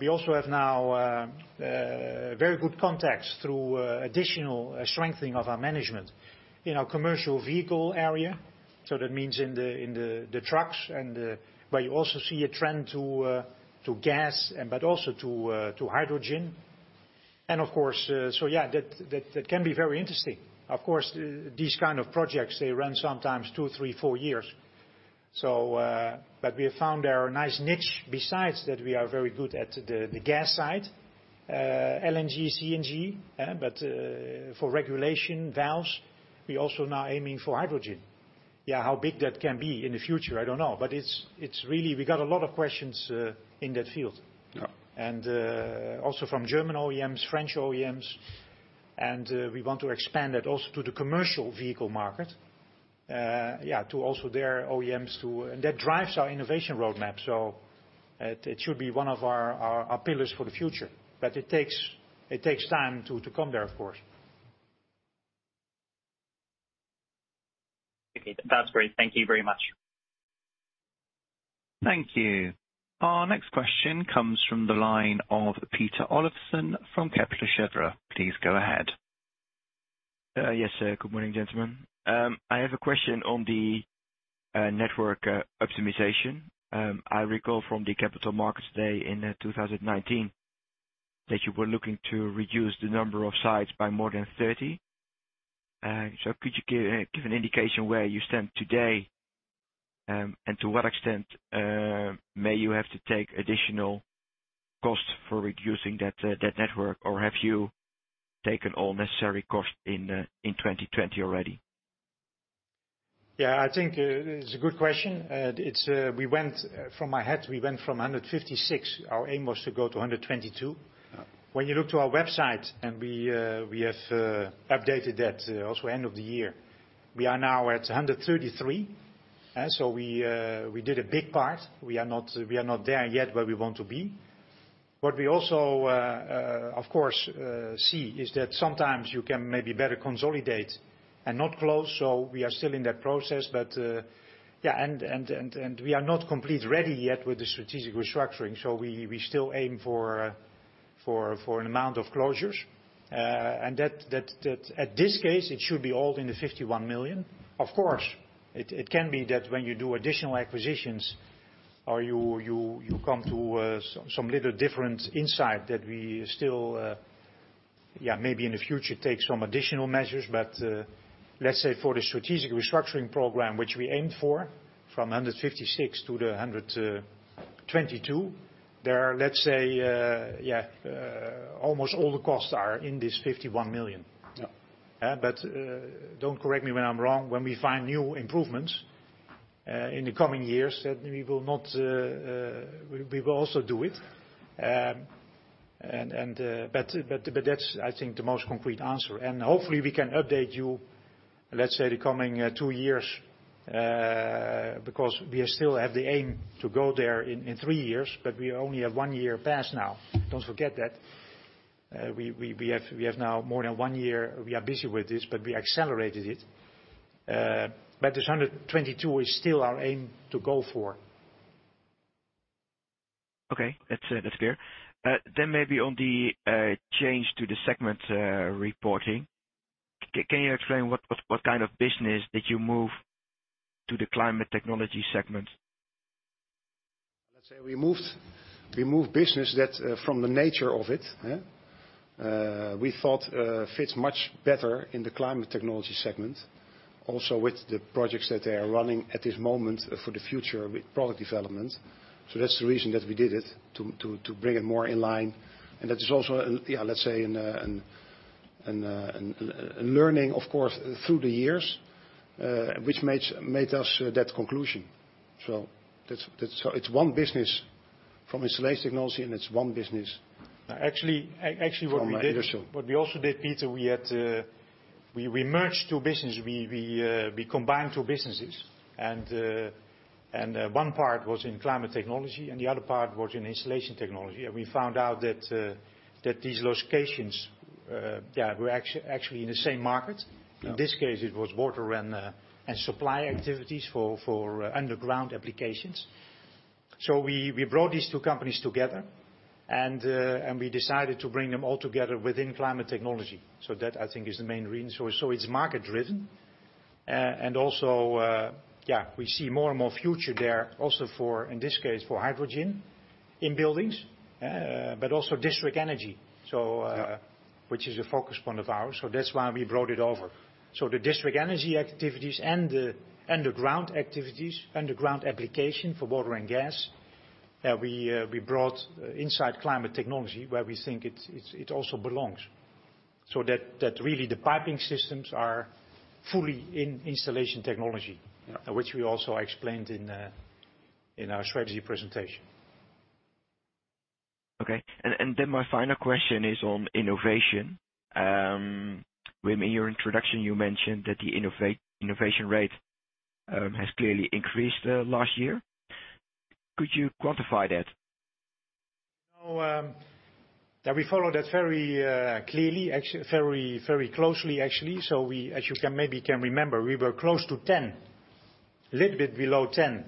A: We also have now very good contacts through additional strengthening of our management in our commercial vehicle area. That means in the trucks, where you also see a trend to gas, but also to hydrogen. That can be very interesting. Of course, these kind of projects, they run sometimes two, three, four years. We have found our nice niche. Besides that, we are very good at the gas side, LNG, CNG. For regulation valves, we're also now aiming for hydrogen. How big that can be in the future, I don't know. We got a lot of questions in that field.
F: Yeah.
A: Also from German OEMs, French OEMs, and we want to expand that also to the commercial vehicle market. To also their OEMs, too. That drives our innovation roadmap. It should be one of our pillars for the future. It takes time to come there, of course.
F: Okay. That's great. Thank you very much.
C: Thank you. Our next question comes from the line of Peter Olofsen from Kepler Cheuvreux. Please go ahead.
G: Yes. Good morning, gentlemen. I have a question on the network optimization. I recall from the Capital Markets Day in 2019 that you were looking to reduce the number of sites by more than 30. Could you give an indication where you stand today? To what extent may you have to take additional costs for reducing that network, or have you taken all necessary costs in 2020 already?
A: Yeah. I think it's a good question. From my head, we went from 156. Our aim was to go to 122. When you look to our website, and we have updated that also end of the year. We are now at 133. We did a big part. We are not there yet where we want to be. What we also, of course, see is that sometimes you can maybe better consolidate and not close. We are still in that process. We are not completely ready yet with the strategic restructuring, so we still aim for an amount of closures. That at this case, it should be all in the 51 million. Of course, it can be that when you do additional acquisitions or you come to some little different insight that we still maybe in the future take some additional measures. Let's say, for the Strategic Restructuring Program, which we aimed for, from 156 to the 122, let's say almost all the costs are in this 51 million. Don't correct me when I'm wrong. When we find new improvements in the coming years, then we will also do it. That's, I think, the most concrete answer. Hopefully we can update you, let's say, the coming two years, because we still have the aim to go there in three years, but we only have one year passed now. Don't forget that. We have now more than one year we are busy with this, but we accelerated it. This 122 is still our aim to go for.
G: Okay. That's clear. Maybe on the change to the segment reporting. Can you explain what kind of business did you move to the Climate Technology segment?
B: Let's say we moved business that from the nature of it, we thought fits much better in the Climate Technology segment, also with the projects that they are running at this moment for the future with product development. That's the reason that we did it, to bring it more in line. That is also, let's say, a learning, of course, through the years, which made us that conclusion. It's one business from Installation Technology, and it's one business from Industrial.
A: Actually, what we also did, Peter, we merged two business. We combined two businesses and one part was in Climate Technology and the other part was in Installation Technology. We found out that these locations were actually in the same market. In this case, it was water and supply activities for underground applications. We brought these two companies together and we decided to bring them all together within Climate Technology. That, I think is the main reason. It's market driven and also, we see more and more future there also for, in this case, for hydrogen in buildings, but also district energy. Which is a focus point of ours. That's why we brought it over. The district energy activities and the underground activities, underground application for water and gas, we brought inside Climate Technology where we think it also belongs. That really the piping systems are fully in Installation Technology. Which we also explained in our strategy presentation.
G: Okay. My final question is on innovation. Wim, in your introduction, you mentioned that the innovation rate has clearly increased last year. Could you quantify that?
A: We follow that very clearly, very closely, actually. As you maybe can remember, we were close to 10, a little bit below 10,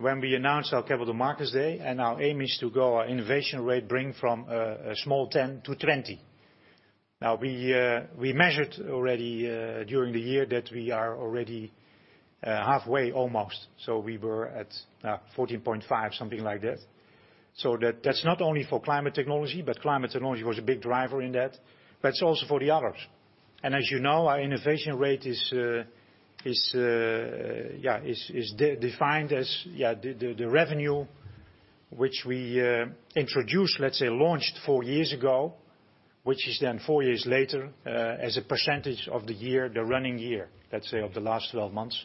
A: when we announced our Capital Markets Day, and our aim is to grow our innovation rate, bring from a small 10-20. We measured already during the year that we are already halfway almost. We were at 14.5, something like that. That's not only for Climate Technology, but Climate Technology was a big driver in that, but it's also for the others. As you know, our innovation rate is defined as the revenue which we introduced, let's say, launched four years ago, which is then four years later, as a percentage of the year, the running year, let's say, of the last 12 months,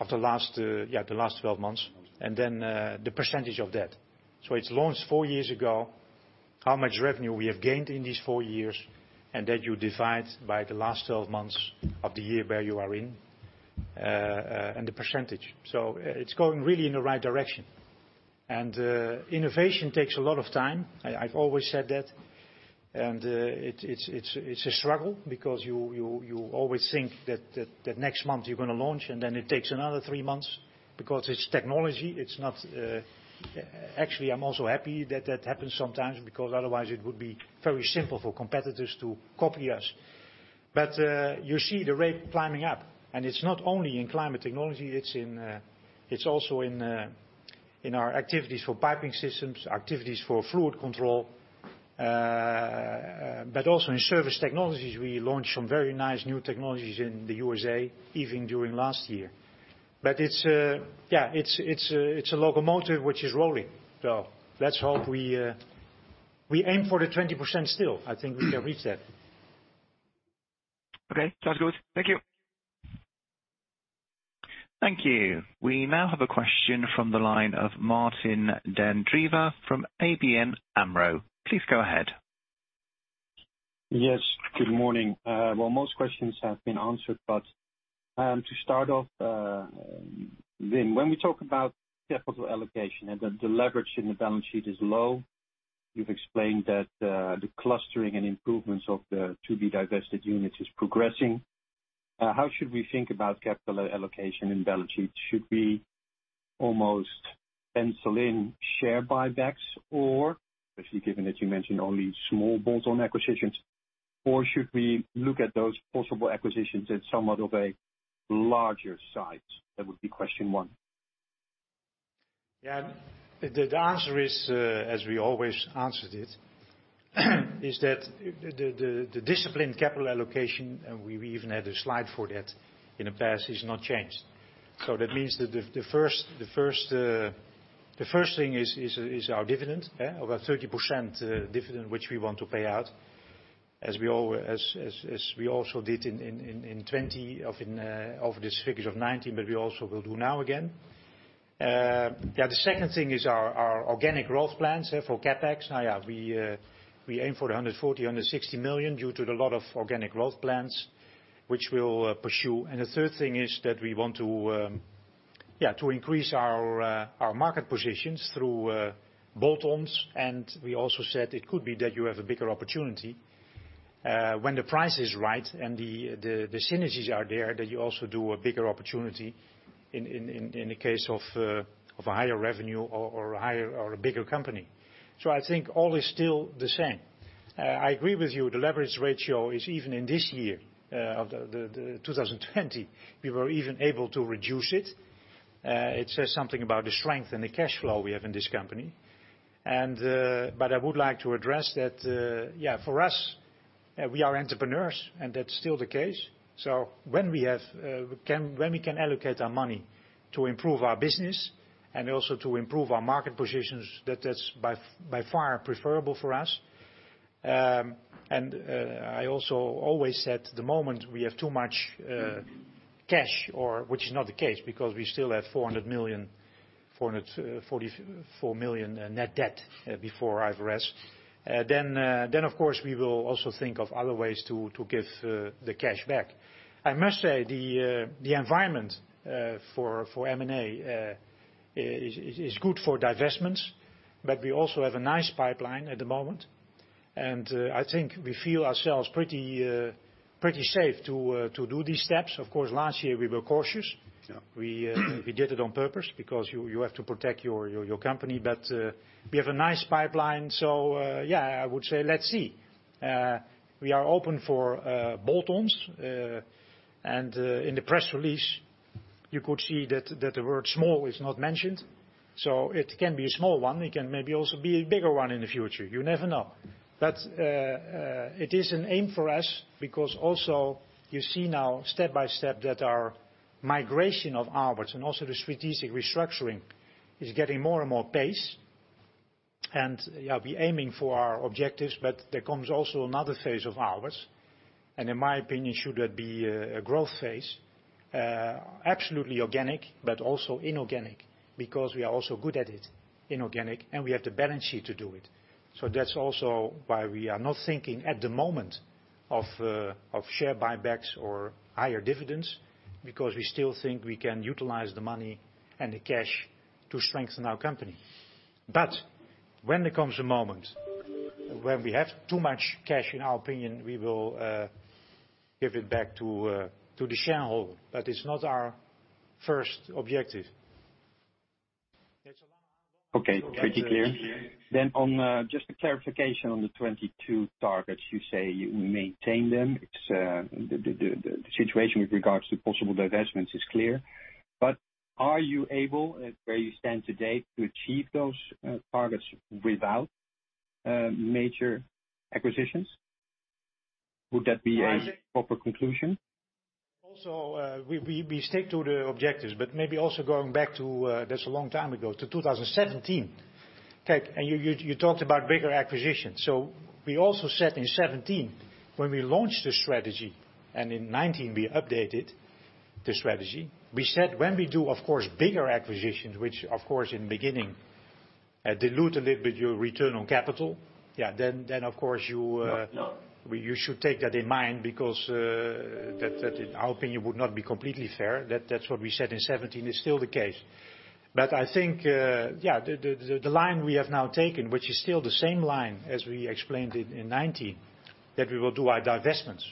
A: and then the percentage of that. It's launched four years ago, how much revenue we have gained in these four years, and then you divide by the last 12 months of the year where you are in, and the percentage. Innovation takes a lot of time. I've always said that. It's a struggle because you always think that next month you're going to launch, and then it takes another three months because it's technology. Actually, I'm also happy that that happens sometimes, because otherwise it would be very simple for competitors to copy us. You see the rate climbing up, and it's not only in Climate Technology, it's also in our activities for piping systems, activities for fluid control. Also in Surface Technologies, we launched some very nice new technologies in the U.S., even during last year. It's a locomotive which is rolling. Let's hope we aim for the 20% still. I think we can reach that. Okay, sounds good. Thank you.
C: Thank you. We now have a question from the line of Martijn den Drijver from ABN AMRO. Please go ahead.
H: Yes, good morning. Well, most questions have been answered, but to start off, Wim, when we talk about capital allocation and the leverage in the balance sheet is low, you've explained that the clustering and improvements of the to-be-divested units is progressing. How should we think about capital allocation in balance sheet? Should we almost pencil in share buybacks, or, especially given that you mentioned only small bolt-on acquisitions, should we look at those possible acquisitions as somewhat of a larger size? That would be question one.
A: The answer is, as we always answered it, is that the disciplined capital allocation, and we even had a slide for that in the past, has not changed. That means that the first thing is our dividend. Over 30% dividend, which we want to pay out as we also did in 2020, of these figures of 2019, but we also will do now again. The second thing is our organic growth plans for CapEx. We aim for 140 million-160 million due to a lot of organic growth plans, which we'll pursue. The third thing is that we want to increase our market positions through bolt-ons, and we also said it could be that you have a bigger opportunity. When the price is right and the synergies are there, that you also do a bigger opportunity in the case of a higher revenue or a bigger company. I think all is still the same. I agree with you, the leverage ratio is, even in this year of 2020, we were even able to reduce it. It says something about the strength and the cash flow we have in this company. I would like to address that, for us, we are entrepreneurs, and that's still the case. When we can allocate our money to improve our business and also to improve our market positions, that's by far preferable for us. I also always said, the moment we have too much cash, which is not the case because we still have 444 million net debt before IFRS. Of course, we will also think of other ways to give the cash back. I must say, the environment for M&A is good for divestments, but we also have a nice pipeline at the moment. I think we feel ourselves pretty safe to do these steps. Of course, last year we were cautious.
H: Yeah.
A: We did it on purpose because you have to protect your company. We have a nice pipeline. I would say let's see. We are open for bolt-ons. In the press release, you could see that the word small is not mentioned. It can be a small one. It can maybe also be a bigger one in the future. You never know. It is an aim for us because also you see now step by step that our migration of Aalberts and also the strategic restructuring is getting more and more pace. We're aiming for our objectives, but there comes also another phase of ours, and in my opinion, should that be a growth phase, absolutely organic, but also inorganic, because we are also good at it, and we have the balance sheet to do it. That's also why we are not thinking, at the moment, of share buybacks or higher dividends because we still think we can utilize the money and the cash to strengthen our company. When there comes a moment when we have too much cash, in our opinion, we will give it back to the shareholder. That is not our first objective.
H: Okay. Pretty clear. On just a clarification on the 2022 targets, you say you maintain them. The situation with regards to possible divestments is clear. Are you able, where you stand today, to achieve those targets without major acquisitions? Would that be a proper conclusion?
A: Also, we stick to the objectives, but maybe also going back to, that's a long time ago, to 2017. You talked about bigger acquisitions. We also said in 2017, when we launched the strategy, and in 2019 we updated the strategy. We said when we do, of course, bigger acquisitions, which of course in the beginning dilute a little bit your return on capital. You should take that in mind because that, in our opinion, would not be completely fair. That's what we said in 2017, it's still the case. I think the line we have now taken, which is still the same line as we explained in 2019, that we will do our divestments.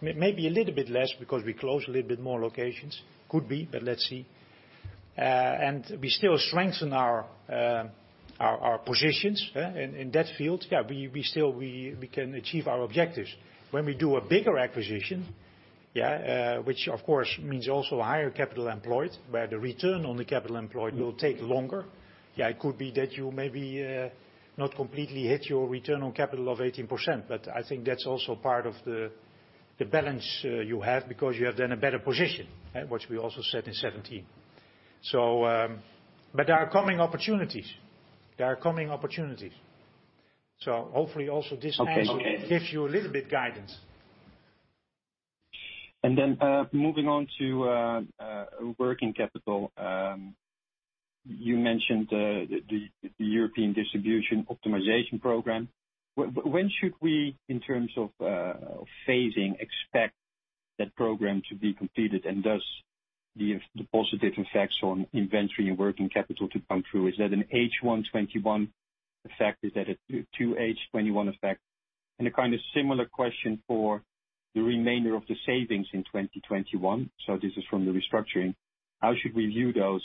A: Maybe a little bit less because we close a little bit more locations. Could be, let's see. We still strengthen our positions in that field. We can achieve our objectives. When we do a bigger acquisition, which of course means also a higher capital employed, where the return on the capital employed will take longer. It could be that you maybe not completely hit your return on capital of 18%, I think that's also part of the balance you have because you have then a better position, which we also said in 2017. There are coming opportunities. There are coming opportunities. Hopefully also this answer gives you a little bit guidance.
H: Then moving on to working capital. You mentioned the European distribution optimization program. When should we, in terms of phasing, expect that program to be completed, and thus the positive effects on inventory and working capital to come through. Is that an H1 2021 effect? Is that a 2H 2021 effect? A similar question for the remainder of the savings in 2021. This is from the restructuring. How should we view those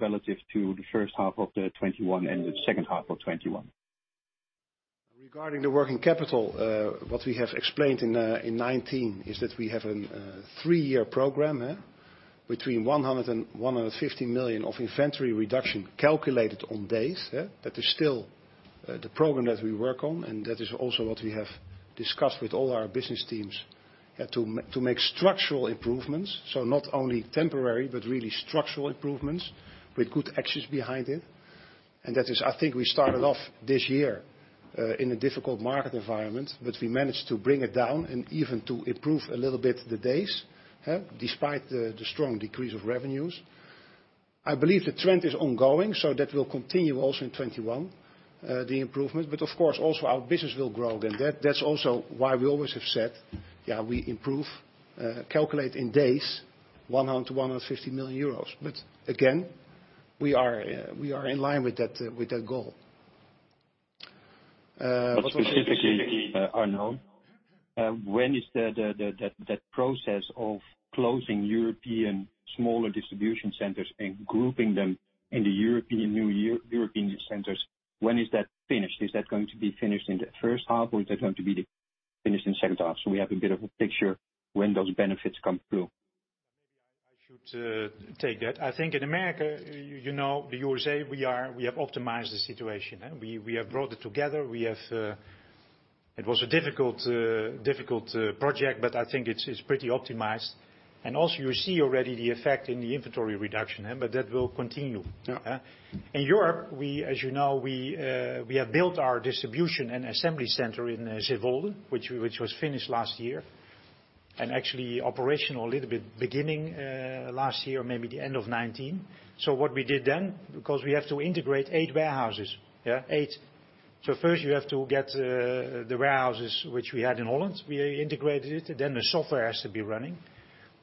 H: relative to the first half of 2021 and the second half of 2021?
A: Regarding the working capital, what we have explained in 2019 is that we have a three-year program between 100 million and 150 million of inventory reduction calculated on days. That is still the program that we work on. That is also what we have discussed with all our business teams to make structural improvements. Not only temporary, but really structural improvements with good actions behind it. That is, I think we started off this year in a difficult market environment. We managed to bring it down and even to improve a little bit the days, despite the strong decrease of revenues. I believe the trend is ongoing. That will continue also in 2021, the improvement. Of course, also our business will grow again. That's also why we always have said, we improve, calculate in days, 100 million-150 million euros. Again, we are in line with that goal.
H: Specifically, Arno, when is that process of closing European smaller distribution centers and grouping them in the new European centers, when is that finished? Is that going to be finished in the first half, or is that going to be finished in second half? We have a bit of a picture when those benefits come through.
B: Maybe I should take that. I think in America, the USA, we have optimized the situation. We have brought it together. It was a difficult project, but I think it's pretty optimized. Also you see already the effect in the inventory reduction, but that will continue.
H: Yeah.
B: In Europe, as you know, we have built our distribution and assembly center in Zevenhuizen, which was finished last year and actually operational a little bit beginning, last year, maybe the end of 2019. What we did then, because we have to integrate eight warehouses. Eight. First you have to get the warehouses which we had in Holland, we integrated it, the software has to be running.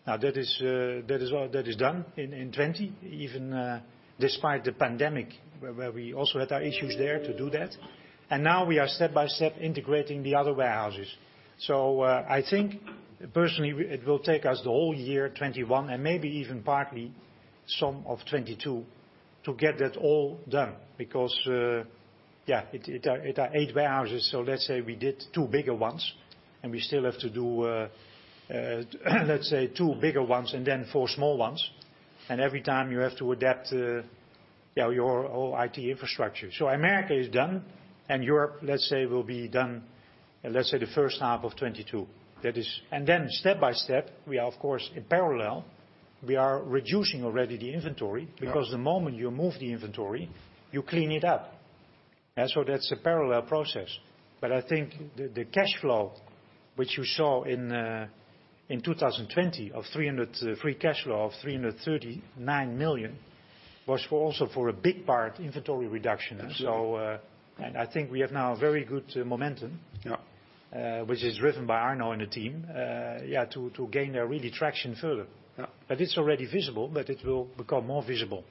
B: Now that is done in 2020, even despite the pandemic, where we also had our issues there to do that. Now we are step by step integrating the other warehouses. I think personally it will take us the whole year 2021 and maybe even partly some of 2022 to get that all done because, it are eight warehouses.
A: Let's say we did two bigger ones and we still have to do, let's say two bigger ones and then four small ones. Every time you have to adapt your whole IT infrastructure. America is done and Europe, let's say will be done, let's say the first half of 2022. Then step by step, we are of course in parallel, we are reducing already the inventory because the moment you move the inventory, you clean it up. That's a parallel process. I think the cash flow which you saw in 2020 of free cash flow of 339 million was also for a big part inventory reduction. I think we have now very good momentum. Which is driven by Arno and the team to gain a really traction further. It's already visible, but it will become more visible.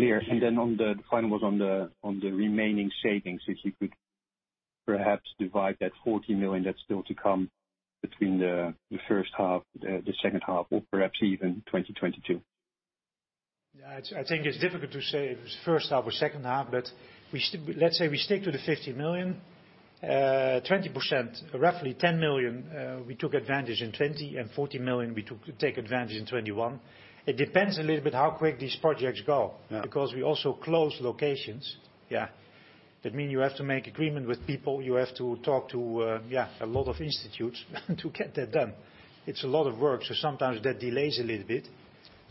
H: Yeah. Okay, clear. The final was on the remaining savings, if you could perhaps divide that 40 million that's still to come between the first half, the second half or perhaps even 2022.
A: Yeah. I think it is difficult to say if it is first half or second half, but let's say we stick to the 50 million, 20%, roughly 10 million, we took advantage in 2020 and 40 million we take advantage in 2021. It depends a little bit how quick these projects go. Because we also close locations.
H: Yeah.
A: That mean you have to make agreement with people. You have to talk to, yeah, a lot of institutes to get that done. It's a lot of work. Sometimes that delays a little bit.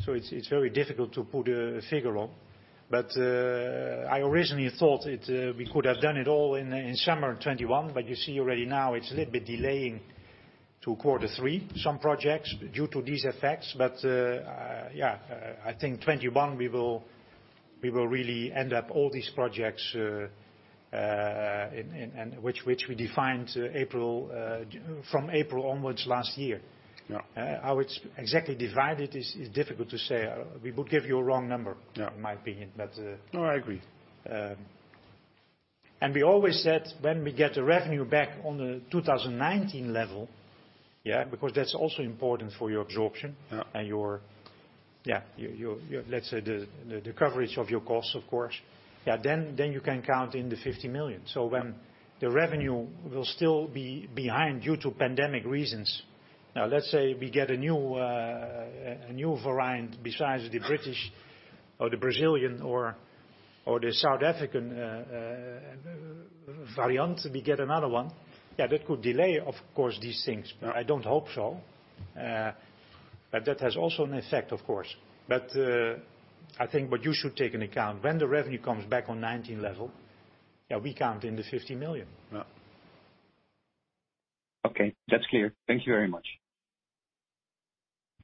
A: It's very difficult to put a figure on, but I originally thought we could have done it all in summer 2021, but you see already now it's a little bit delaying to quarter three, some projects due to these effects. Yeah, I think 2021, we will really end up all these projects which we defined from April onwards last year. How it is exactly divided is difficult to say. We will give you a wrong number. In my opinion.
H: No, I agree.
A: We always said when we get the revenue back on the 2019 level, because that's also important for your absorption. Your, let's say the coverage of your costs, of course. You can count in the 50 million. When the revenue will still be behind due to pandemic reasons. Let's say we get a new variant besides the British or the Brazilian or the South African variant, we get another one. That could delay, of course, these things. I don't hope so. That has also an effect of course. I think what you should take into account when the revenue comes back on 2019 level, yeah, we count in the 50 million.
H: Yeah. Okay. That's clear. Thank you very much.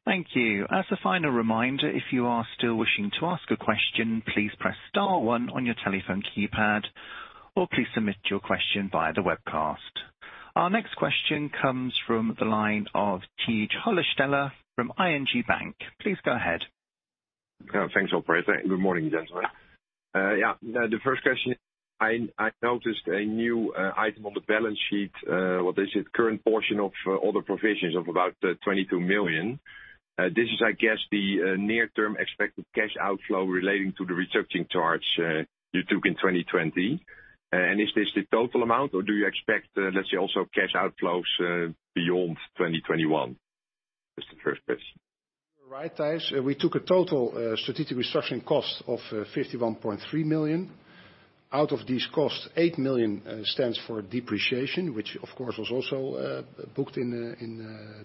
C: Thank you. As a final reminder, if you are still wishing to ask a question, please press star one on your telephone keypad, or please submit your question via the webcast. Our next question comes from the line of Tijs Hollestelle from ING Bank. Please go ahead.
I: Thanks, Operator. Good morning, gentlemen. The first question, I noticed a new item on the balance sheet. What is it? Current portion of other provisions of about 22 million. This is, I guess, the near-term expected cash outflow relating to the restructuring charge you took in 2020. Is this the total amount, or do you expect, let's say, also cash outflows beyond 2021? That's the first question.
B: You're right, Tijs. We took a total strategic restructuring cost of 51.3 million. Out of these costs, 8 million stands for depreciation, which of course, was also booked in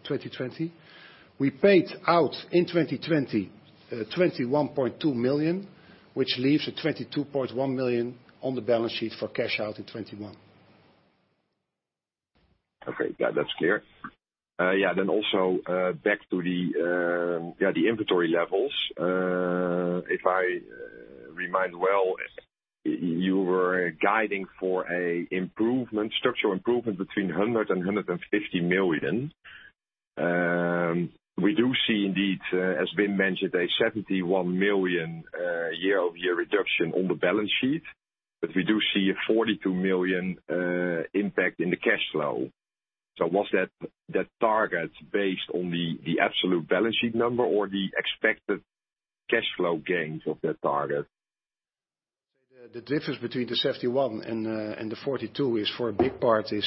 B: 2020. We paid out in 2020, 21.2 million, which leaves a 22.1 million on the balance sheet for cash out in 2021.
I: Okay. That's clear. Also back to the inventory levels. If I recall well, you were guiding for a structural improvement between 100 million and 150 million. We do see indeed, as been mentioned, a 71 million year-over-year reduction on the balance sheet. We do see a 42 million impact in the cash flow. Was that target based on the absolute balance sheet number or the expected cash flow gains of that target?
B: The difference between the 71 and the 42 is for a big part is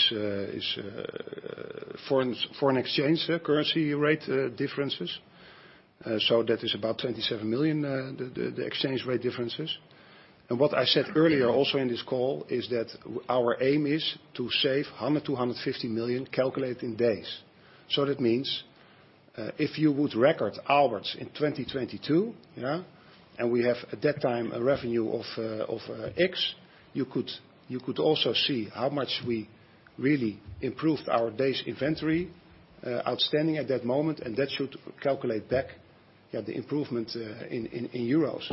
B: foreign exchange currency rate differences. That is about 27 million, the exchange rate differences. What I said earlier also in this call, is that our aim is to save 100 million-150 million calculate in days. That means, if you would record Aalberts in 2022, and we have at that time a revenue of X, you could also see how much we really improved our days inventory outstanding at that moment, and that should calculate back the improvement in euros.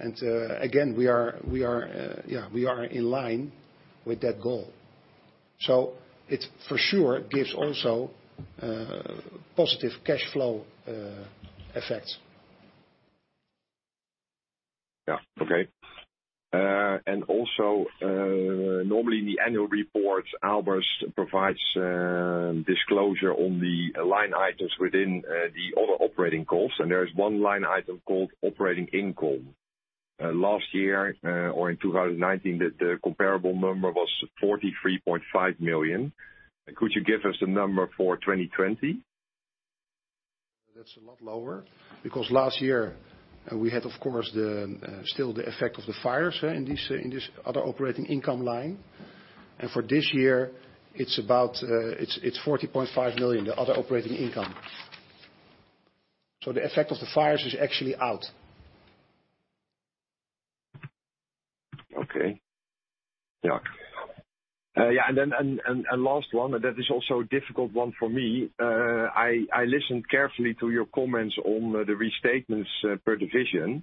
B: Again, we are in line with that goal. It for sure gives also positive cash flow effects.
I: Yeah. Okay. Also, normally in the annual report, Aalberts provides disclosure on the line items within the other operating costs, and there is one line item called operating income. Last year, or in 2019, the comparable number was 43.5 million. Could you give us a number for 2020?
B: That's a lot lower, because last year we had, of course, still the effect of the fires here in this other operating income line. For this year, it's 40.5 million, the other operating income. The effect of the fires is actually out.
I: Okay. Last one, that is also a difficult one for me. I listened carefully to your comments on the restatements per division.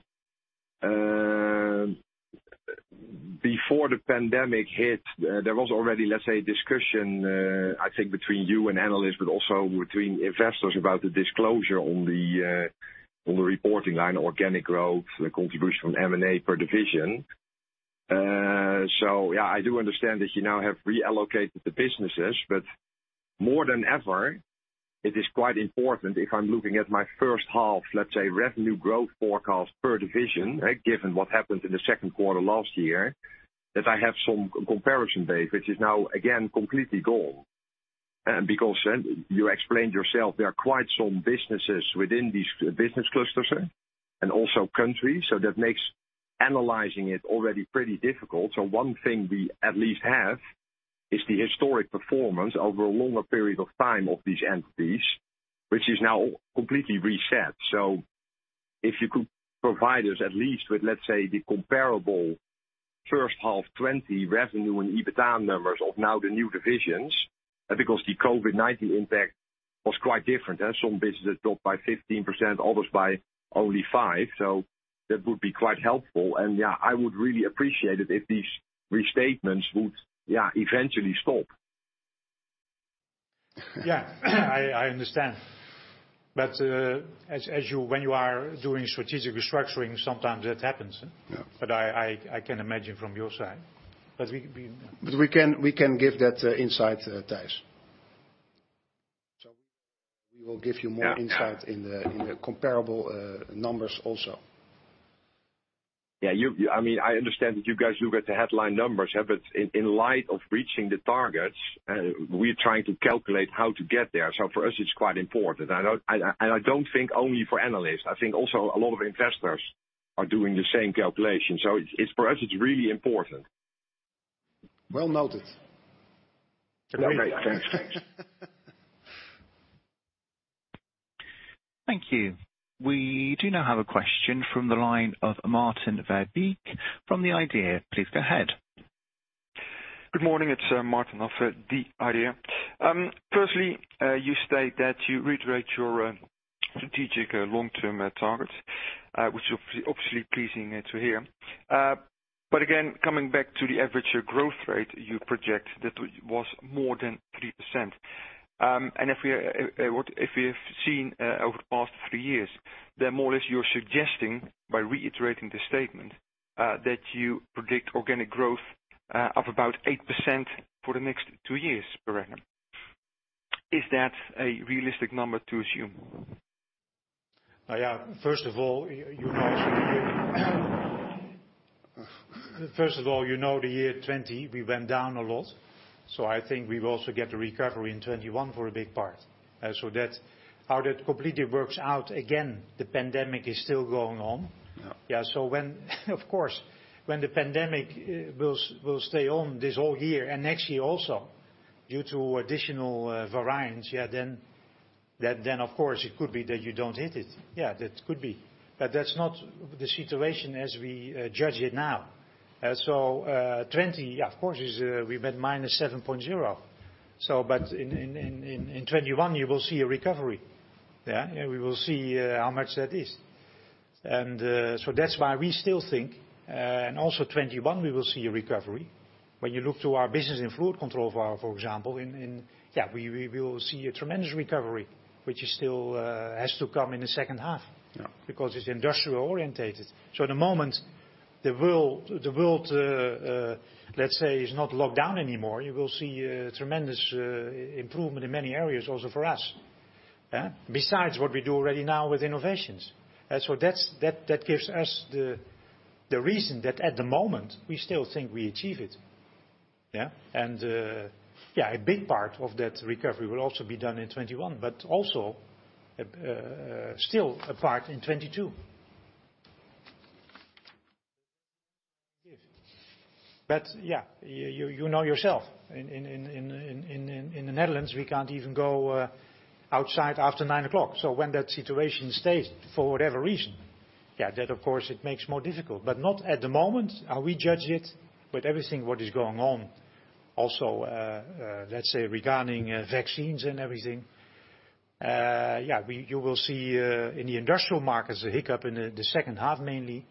I: Before the pandemic hit, there was already, let's say, discussion, I think, between you and analysts, but also between investors about the disclosure on the reporting line, organic growth, the contribution from M&A per division. I do understand that you now have reallocated the businesses, but more than ever, it is quite important if I'm looking at my first half, let's say, revenue growth forecast per division, given what happened in the second quarter last year, that I have some comparison base, which is now again completely gone. You explained yourself, there are quite some businesses within these business clusters and also countries. That makes analyzing it already pretty difficult. One thing we at least have is the historic performance over a longer period of time of these entities, which is now completely reset. If you could provide us at least with, let's say, the comparable first half 2020 revenue and EBITDA numbers of now the new divisions, because the COVID-19 impact was quite different. Some businesses dropped by 15%, others by only 5%. That would be quite helpful. I would really appreciate it if these restatements would eventually stop.
B: Yeah, I understand. When you are doing strategic restructuring, sometimes that happens.
I: Yeah.
B: I can imagine from your side. We can give that insight, Tijs. We will give you more insight in the comparable numbers also.
I: Yeah. I understand that you guys look at the headline numbers, but in light of reaching the targets, we're trying to calculate how to get there. For us, it's quite important. I don't think only for analysts, I think also a lot of investors are doing the same calculation. For us, it's really important.
B: Well noted.
I: Okay. Thanks.
C: Thank you. We do now have a question from the line of Maarten Verbeek from The Idea. Please go ahead.
J: Good morning. It's Maarten of The Idea. You state that you reiterate your strategic long-term targets, which obviously pleasing to hear. Again, coming back to the average growth rate you project that was more than 3%. If we have seen over the past three years that more or less you're suggesting by reiterating the statement, that you predict organic growth of about 8% for the next two years roughly. Is that a realistic number to assume?
A: First of all, you know the year 2020 we went down a lot, I think we will also get a recovery in 2021 for a big part. How that completely works out, again, the pandemic is still going on.
J: Yeah.
A: When of course, when the pandemic will stay on this whole year and next year also due to additional variants, then of course it could be that you don't hit it. Yeah, that could be. That's not the situation as we judge it now. 2020, of course, we went minus 7.0. In 2021 you will see a recovery. We will see how much that is. That's why we still think, and also 2021 we will see a recovery. When you look to our business in fluid control, for example, we will see a tremendous recovery, which still has to come in the second half.
J: Yeah.
A: It's industrial orientated. The moment the world, let's say, is not locked down anymore, you will see a tremendous improvement in many areas also for us. Besides what we do already now with innovations. That gives us the reason that at the moment we still think we achieve it. A big part of that recovery will also be done in 2021, but also still a part in 2022. You know yourself, in the Netherlands we can't even go outside after nine o'clock. When that situation stays for whatever reason, that of course it makes more difficult. Not at the moment how we judge it with everything what is going on also, let's say regarding vaccines and everything. You will see in the industrial markets a hiccup in the second half mainly,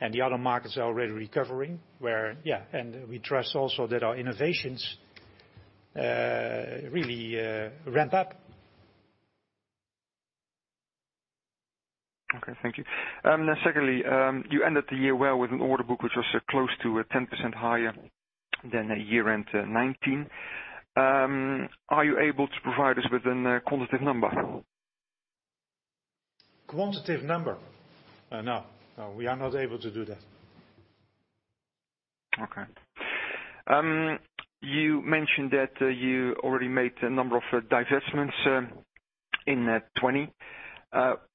A: and the other markets are already recovering. We trust also that our innovations really ramp up.
J: You ended the year well with an order book, which was close to a 10% higher than year end 2019. Are you able to provide us with a quantitative number?
A: Quantitative number? No. No, we are not able to do that.
J: Okay. You mentioned that you already made a number of divestments in 2020.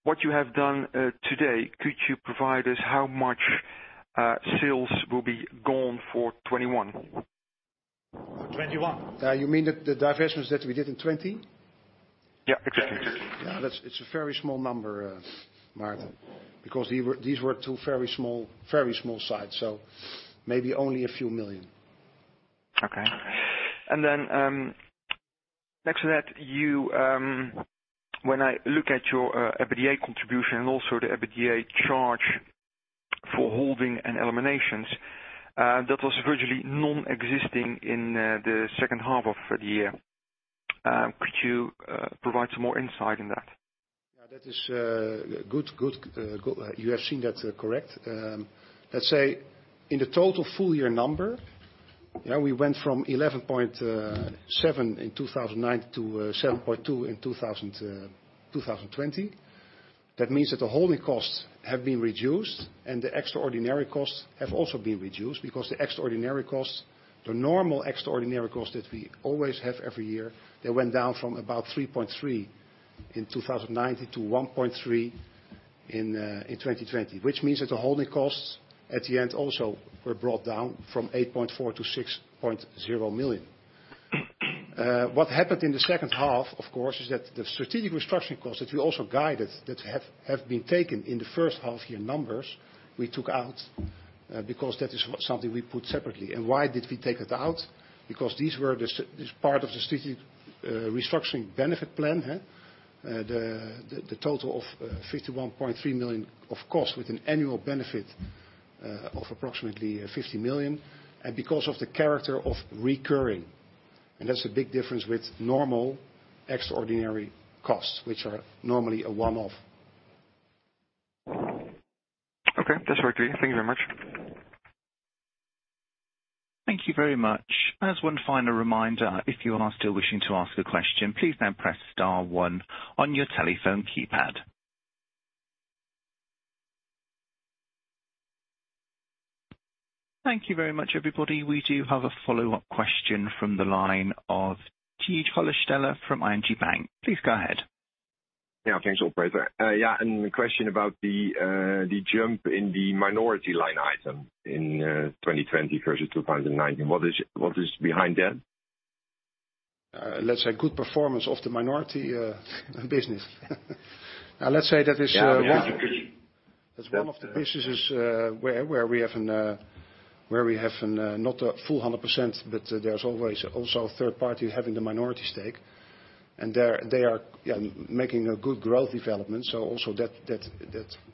J: What you have done today, could you provide us how much sales will be gone for 2021?
A: For 2021?
B: You mean the divestments that we did in 2020?
J: Yeah, exactly.
B: It's a very small number, Maarten, because these were two very small sides. Maybe only a few million.
J: Okay. Next to that, when I look at your EBITDA contribution and also the EBITDA charge for holding and eliminations, that was virtually non-existing in the second half of the year. Could you provide some more insight in that?
B: That is good. You have seen that correct. Let's say in the total full year number, we went from 11.7 in 2019 to 7.2 in 2020. That means that the holding costs have been reduced and the extraordinary costs have also been reduced because the extraordinary costs, the normal extraordinary costs that we always have every year, they went down from about 3.3 in 2019 to 1.3 in 2020. Which means that the holding costs at the end also were brought down from 8.4-6.0 million. What happened in the second half, of course, is that the strategic restructuring costs that we also guided that have been taken in the first half year numbers we took out because that is something we put separately. Why did we take it out? Because these were part of the strategic restructuring benefit plan. The total of 51.3 million of cost with an annual benefit of approximately 50 million. Because of the character of recurring, and that's a big difference with normal extraordinary costs, which are normally a one-off.
J: Okay. That's clear. Thank you very much.
C: Thank you very much. As one final reminder, if you are still wishing to ask a question, please now press star one on your telephone keypad. Thank you very much, everybody. We do have a follow-up question from the line of Tijs Hollestelle from ING Bank. Please go ahead.
I: Yeah, thanks, Operator. A question about the jump in the minority line item in 2020 versus 2019. What is behind that?
B: Let's say good performance of the minority business. That's one of the businesses where we have not a full 100%, but there's always also a third party having the minority stake, and they are making a good growth development. Also that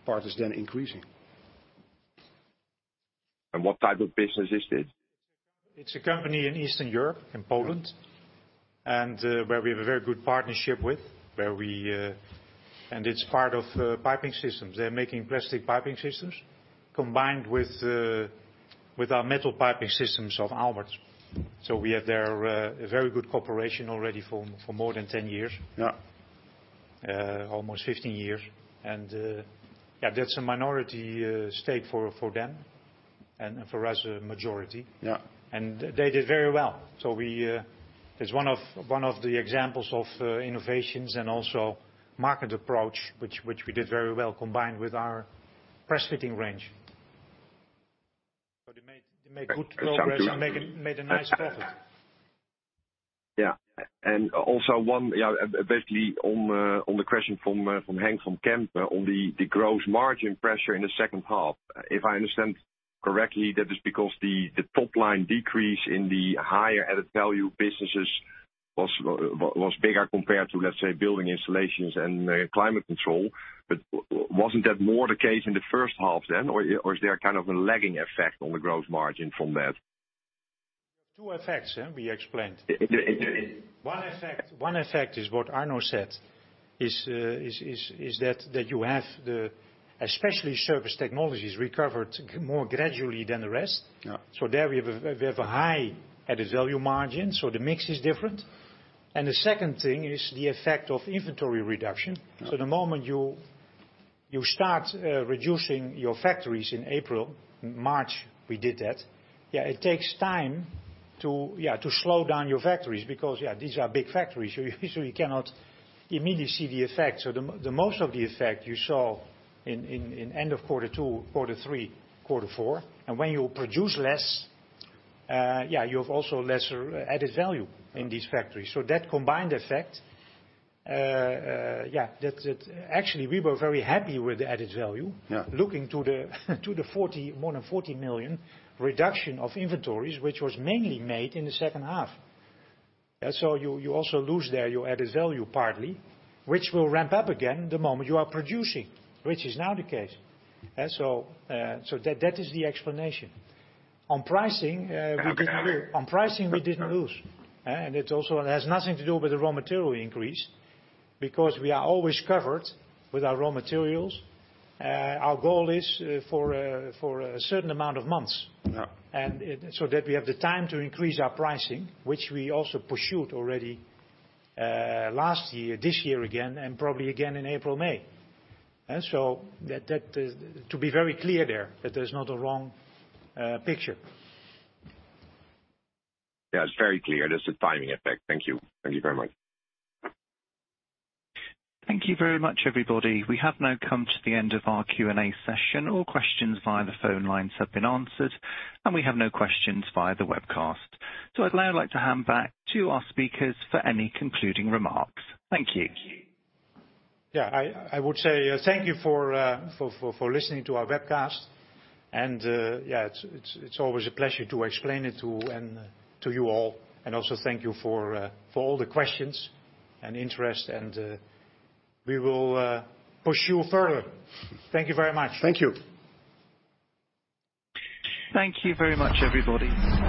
B: part is then increasing.
I: What type of business is this?
A: It's a company in Eastern Europe, in Poland, and where we have a very good partnership with. It's part of piping systems. They're making plastic piping systems combined with our metal piping systems of Aalberts. We have there a very good cooperation already for more than 10 years. Almost 15 years. That's a minority stake for them, and for us, a majority.
I: Yeah.
A: They did very well. It's one of the examples of innovations and also market approach, which we did very well combined with our press fitting range. They made good progress and made a nice profit.
I: Yeah. Also one, basically on the question from Henk from Kempen on the gross margin pressure in the second half. If I understand correctly, that is because the top line decrease in the higher added value businesses was bigger compared to, let's say, building installations and climate control. Wasn't that more the case in the first half then? Or is there a lagging effect on the gross margin from that?
B: Two effects, we explained.
A: One effect is what Arno said, is that you have the, especially Surface technologies recovered more gradually than the rest.
I: Yeah.
A: There we have a high added value margin. The mix is different. The second thing is the effect of inventory reduction. The moment you start reducing your factories in April, March, we did that. It takes time to slow down your factories because these are big factories, so you cannot immediately see the effect. The most of the effect you saw in end of quarter two, quarter three, quarter four. When you produce less, you have also lesser added value in these factories. That combined effect, actually, we were very happy with the added value. Looking to the more than 40 million reduction of inventories, which was mainly made in the second half. You also lose there, your added value partly, which will ramp up again the moment you are producing, which is now the case. That is the explanation. On pricing, we didn't. On pricing, we didn't lose. It also has nothing to do with the raw material increase because we are always covered with our raw materials. Our goal is for a certain amount of months.
I: Yeah.
A: That we have the time to increase our pricing, which we also pursued already, last year, this year again, and probably again in April, May. To be very clear there, that there's not a wrong picture.
I: Yeah, it's very clear. There's a timing effect. Thank you. Thank you very much.
C: Thank you very much, everybody. We have now come to the end of our Q&A session. All questions via the phone lines have been answered, and we have no questions via the webcast. I'd now like to hand back to our speakers for any concluding remarks. Thank you.
A: Yeah, I would say thank you for listening to our webcast, and it's always a pleasure to explain it to you all. Also thank you for all the questions and interest, and we will push you further. Thank you very much.
B: Thank you.
C: Thank you very much, everybody.